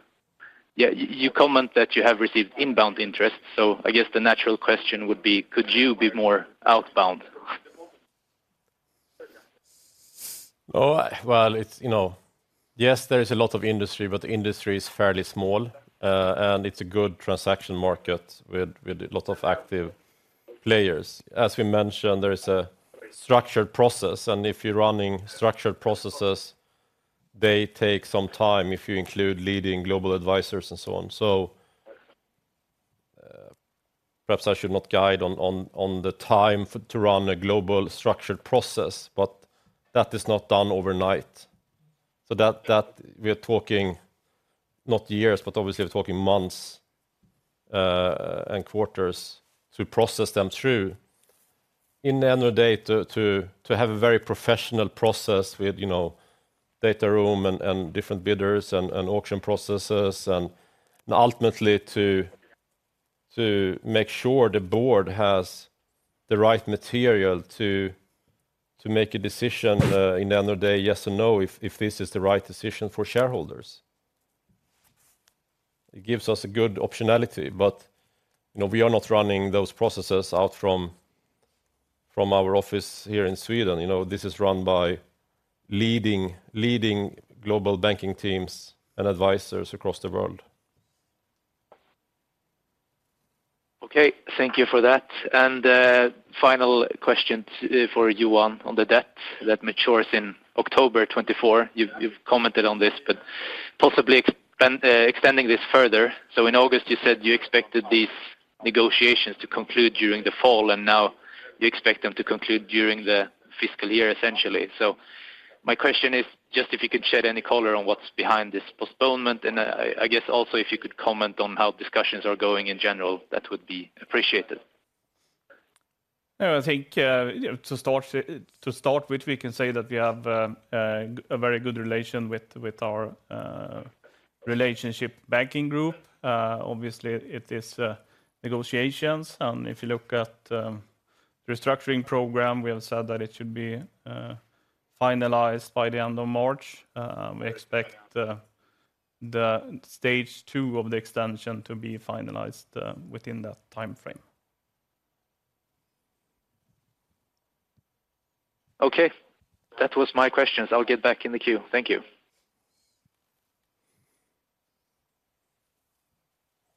comment that you have received inbound interest, so I guess the natural question would be: Could you be more outbound? Oh, well, it's... You know, yes, there is a lot of industry, but the industry is fairly small, and it's a good transaction market with, with a lot of active players. As we mentioned, there is a structured process, and if you're running structured processes, they take some time, if you include leading global advisors and so on. So, perhaps I should not guide on the time to run a global structured process, but that is not done overnight. So that, that we are talking not years, but obviously we're talking months, and quarters to process them through. In the end of the day, to have a very professional process with, you know, data room and different bidders and auction processes, and ultimately, to make sure the board has the right material to make a decision, in the end of the day, yes or no, if this is the right decision for shareholders. It gives us a good optionality, but, you know, we are not running those processes out from our office here in Sweden. You know, this is run by leading global banking teams and advisors across the world. Okay, thank you for that. And, final question, for you, Johan, on the debt that matures in October 2024. You've commented on this, but possibly extending this further. So in August, you said you expected these negotiations to conclude during the fall, and now you expect them to conclude during the fiscal year, essentially. So my question is, just if you could shed any color on what's behind this postponement, and I guess also, if you could comment on how discussions are going in general, that would be appreciated. Yeah, I think, you know, to start with, we can say that we have a very good relation with our relationship banking group. Obviously, it is negotiations, and if you look at the restructuring program, we have said that it should be finalized by the end of March. We expect the stage two of the extension to be finalized within that timeframe. Okay. That was my questions. I'll get back in the queue. Thank you.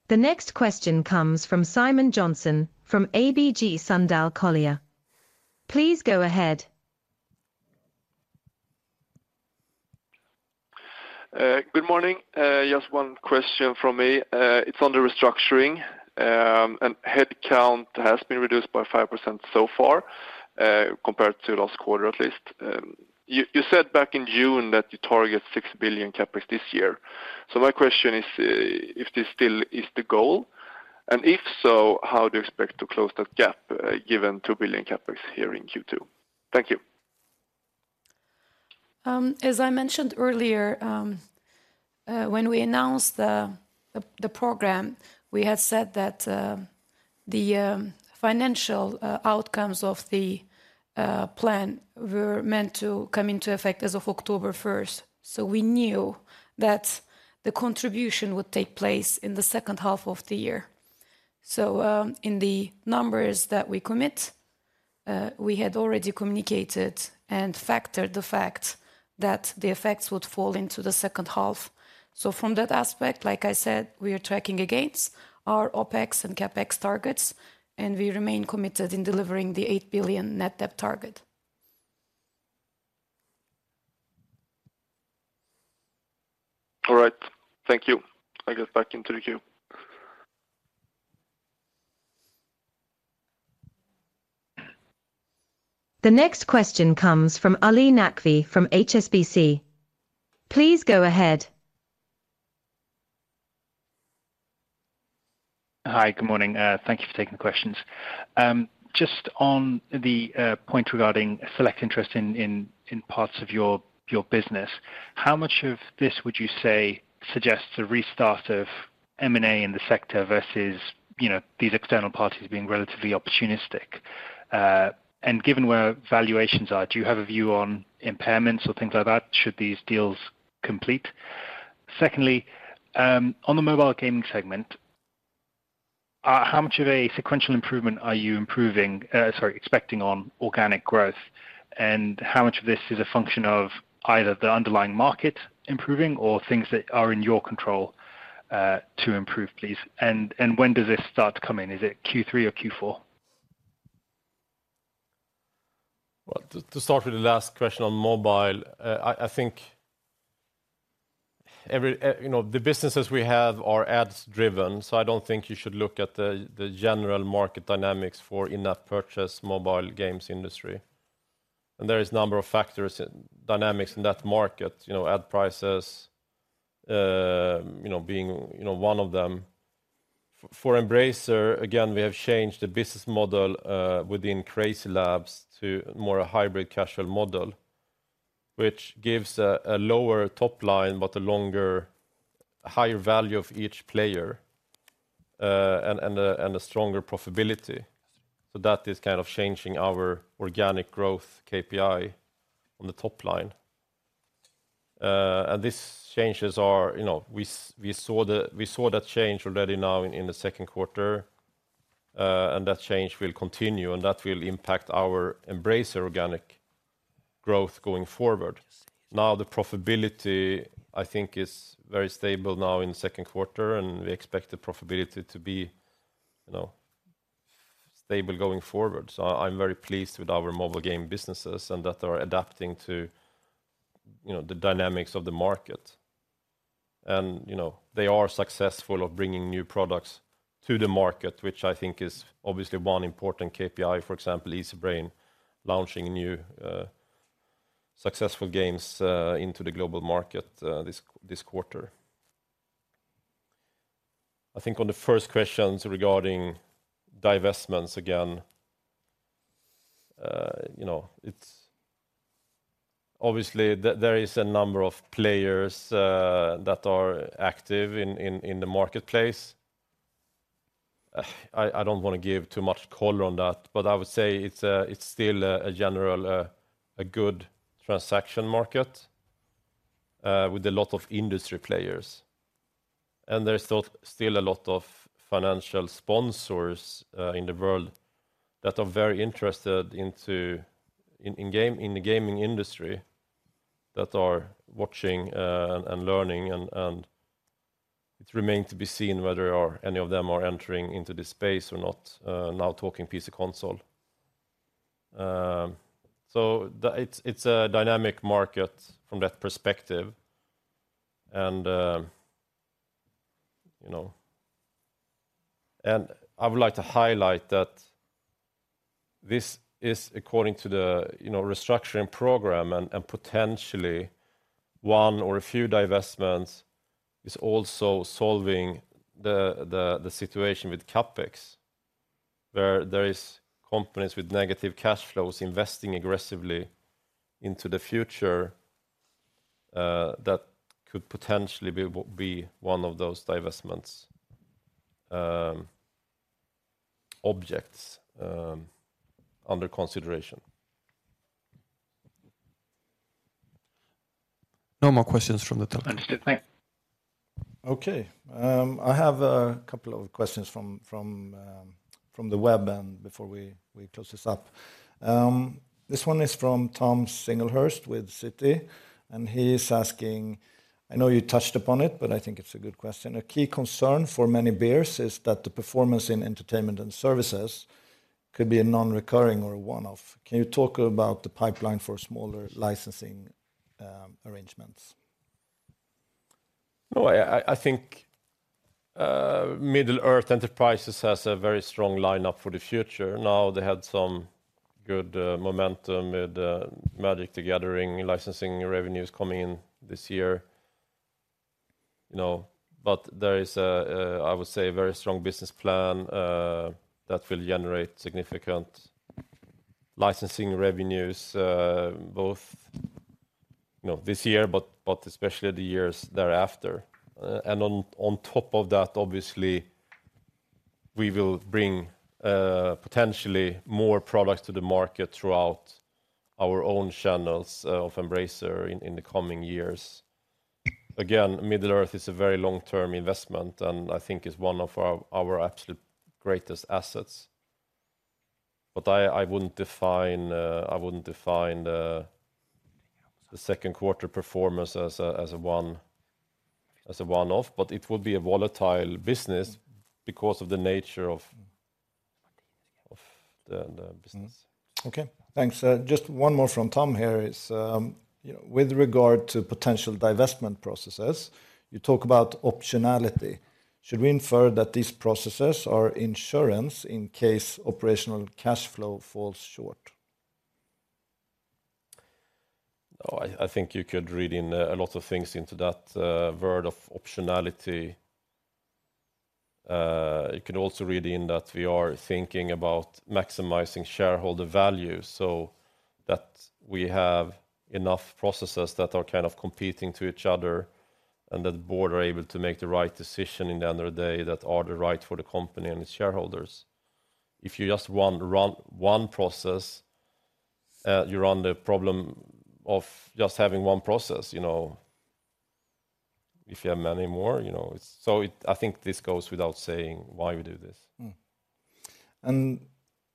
The next question comes from Simon Jönsson from ABG Sundal Collier. Please go ahead. Good morning. Just one question from me. It's on the restructuring, and headcount has been reduced by 5% so far, compared to last quarter, at least. You said back in June that you target 6 billion CapEx this year. So my question is, if this still is the goal, and if so, how do you expect to close that gap, given 2 billion CapEx here in Q2? Thank you. As I mentioned earlier, when we announced the program, we had said that the financial outcomes of the plan were meant to come into effect as of October 1st. So we knew that the contribution would take place in the second half of the year. So, in the numbers that we commit, we had already communicated and factored the fact that the effects would fall into the second half. So from that aspect, like I said, we are tracking against our OpEx and CapEx targets, and we remain committed in delivering the 8 billion net debt target. All right. Thank you. I get back into the queue. The next question comes from Ali Naqvi from HSBC. Please go ahead. Hi, good morning. Thank you for taking the questions. Just on the point regarding select interest in parts of your business, how much of this would you say suggests a restart of M&A in the sector versus, you know, these external parties being relatively opportunistic? And given where valuations are, do you have a view on impairments or things like that, should these deals complete? Secondly, on the mobile gaming segment, how much of a sequential improvement are you expecting on organic growth? And how much of this is a function of either the underlying market improving or things that are in your control to improve, please? And when does this start to come in? Is it Q3 or Q4? Well, to start with the last question on mobile, I think every, you know, the businesses we have are ads-driven, so I don't think you should look at the general market dynamics for in-app purchase mobile games industry. And there is a number of factors and dynamics in that market, you know, ad prices, you know, being one of them. For Embracer, again, we have changed the business model within Crazy Labs to more a hybrid casual model, which gives a lower top line, but a longer, higher value of each player, and a stronger profitability. So that is kind of changing our organic growth KPI on the top line. And these changes are, you know, we saw that change already now in the second quarter, and that change will continue, and that will impact our Embracer organic growth going forward. Now, the profitability, I think, is very stable now in the second quarter, and we expect the profitability to be, you know, stable going forward. So I'm very pleased with our mobile game businesses, and that they are adapting to, you know, the dynamics of the market. And, you know, they are successful of bringing new products to the market, which I think is obviously one important KPI, for example, Easybrain, launching new successful games into the global market this quarter. I think on the first questions regarding divestments again, you know, it's... Obviously, there is a number of players that are active in the marketplace. I don't want to give too much color on that, but I would say it's still a generally good transaction market with a lot of industry players. And there's still a lot of financial sponsors in the world that are very interested in the gaming industry, that are watching and learning, and it remain to be seen whether any of them are entering into this space or not, now talking PC console. So it's a dynamic market from that perspective. You know... I would like to highlight that this is according to the, you know, restructuring program, and potentially one or a few divestments is also solving the situation with CapEx, where there is companies with negative cash flows investing aggressively into the future, that could potentially be one of those divestments objects under consideration. No more questions from the top. Understood. Thank you. Okay, I have a couple of questions from the web, and before we close this up. This one is from Tom Singlehurst with Citi, and he is asking. I know you touched upon it, but I think it's a good question. "A key concern for many bears is that the performance in entertainment and services could be a non-recurring or a one-off. Can you talk about the pipeline for smaller licensing arrangements? No, I think Middle-earth Enterprises has a very strong lineup for the future. Now, they had some good momentum with Magic: The Gathering, licensing revenues coming in this year, you know, but there is, I would say, a very strong business plan that will generate significant licensing revenues both, you know, this year, but especially the years thereafter. And on top of that, obviously, we will bring potentially more products to the market throughout our own channels of Embracer in the coming years. Again, Middle-earth is a very strong long-term investment, and I think it's one of our absolute greatest assets. But I wouldn't define the second quarter performance as a one-off, but it will be a volatile business because of the nature of the business. Okay, thanks. Just one more from Tom here is, you know, with regard to potential divestment processes, you talk about optionality. Should we infer that these processes are insurance in case operational cash flow falls short? Oh, I think you could read in a lot of things into that word of optionality. You could also read in that we are thinking about maximizing shareholder value, so that we have enough processes that are kind of competing to each other, and that the board are able to make the right decision in the end of the day, that are the right for the company and its shareholders. If you just run one process, you run the problem of just having one process, you know? If you have many more, you know, it's... So it, I think this goes without saying why we do this. Mm-hmm. And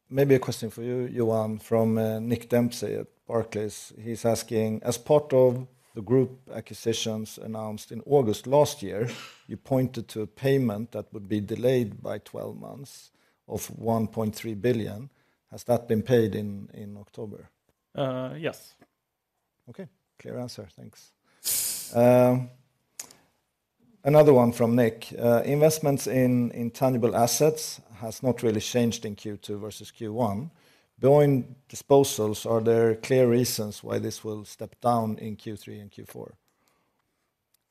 maybe a question for you, Johan, from Nick Dempsey at Barclays. He's asking: as part of the group acquisitions announced in August last year, you pointed to a payment that would be delayed by 12 months of 1.3 billion. Has that been paid in October? Uh, yes. Okay, clear answer. Thanks. Another one from Nick. Investments in intangible assets has not really changed in Q2 versus Q1. During disposals, are there clear reasons why this will step down in Q3 and Q4?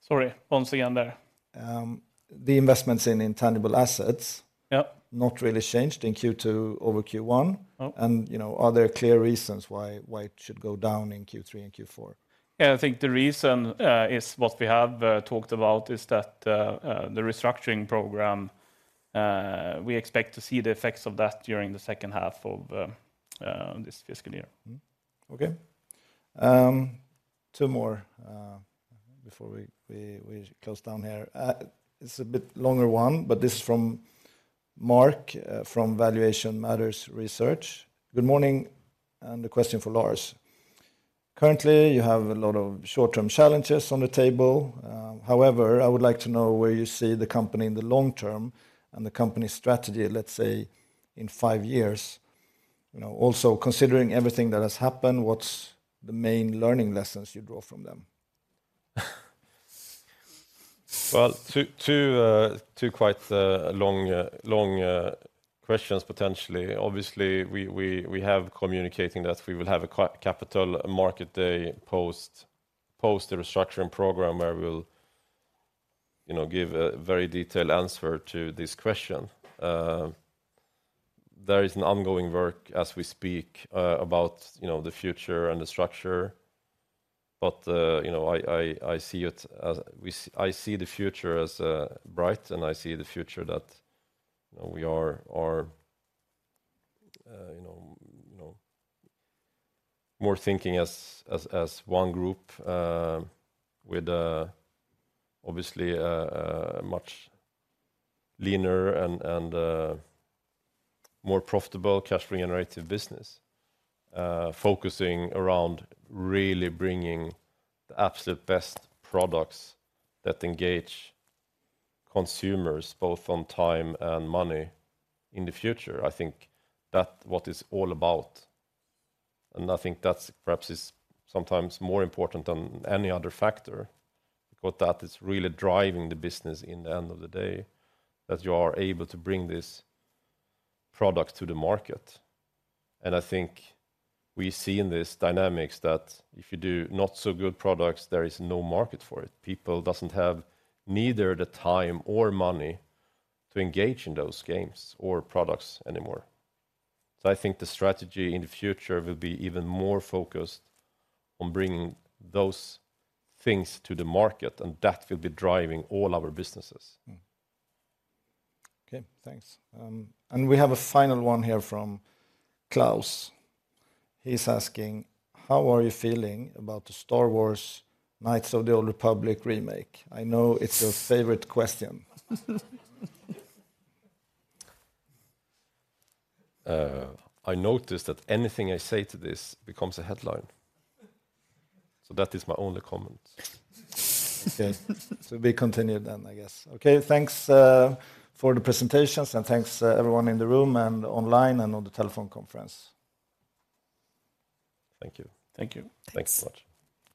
Sorry, once again, there. The investments in intangible assets- Yep. Not really changed in Q2 over Q1. Oh. You know, are there clear reasons why it should go down in Q3 and Q4? Yeah, I think the reason is what we have talked about, is that the restructuring program we expect to see the effects of that during the second half of this fiscal year. Mm-hmm. Okay. Two more before we close down here. It's a bit longer one, but this is from Mark from Valuation Matters Research. Good morning, and a question for Lars. Currently, you have a lot of short-term challenges on the table. However, I would like to know where you see the company in the long term and the company's strategy, let's say, in five years. You know, also, considering everything that has happened, what's the main learning lessons you draw from them? Well, two quite long questions, potentially. Obviously, we have communicating that we will have a capital market day post the restructuring program, where we will, you know, give a very detailed answer to this question. There is an ongoing work as we speak about, you know, the future and the structure. But, you know, I see it as we I see the future as bright, and I see the future that, you know, we are more thinking as one group, with obviously a much leaner and more profitable cash generative business. Focusing around really bringing the absolute best products that engage consumers, both on time and money, in the future. I think that what is all about, and I think that perhaps is sometimes more important than any other factor, because that is really driving the business in the end of the day, that you are able to bring this product to the market. I think we see in this dynamics that if you do not so good products, there is no market for it. People doesn't have neither the time or money to engage in those games or products anymore. I think the strategy in the future will be even more focused on bringing those things to the market, and that will be driving all our businesses. Mm-hmm. Okay, thanks. We have a final one here from Klaus. He's asking: How are you feeling about the Star Wars: Knights of the Old Republic remake? I know it's your favorite question. I noticed that anything I say to this becomes a headline. So that is my only comment. Okay. So we continue then, I guess. Okay, thanks for the presentations, and thanks everyone in the room and online and on the telephone conference. Thank you. Thank you. Thanks so much.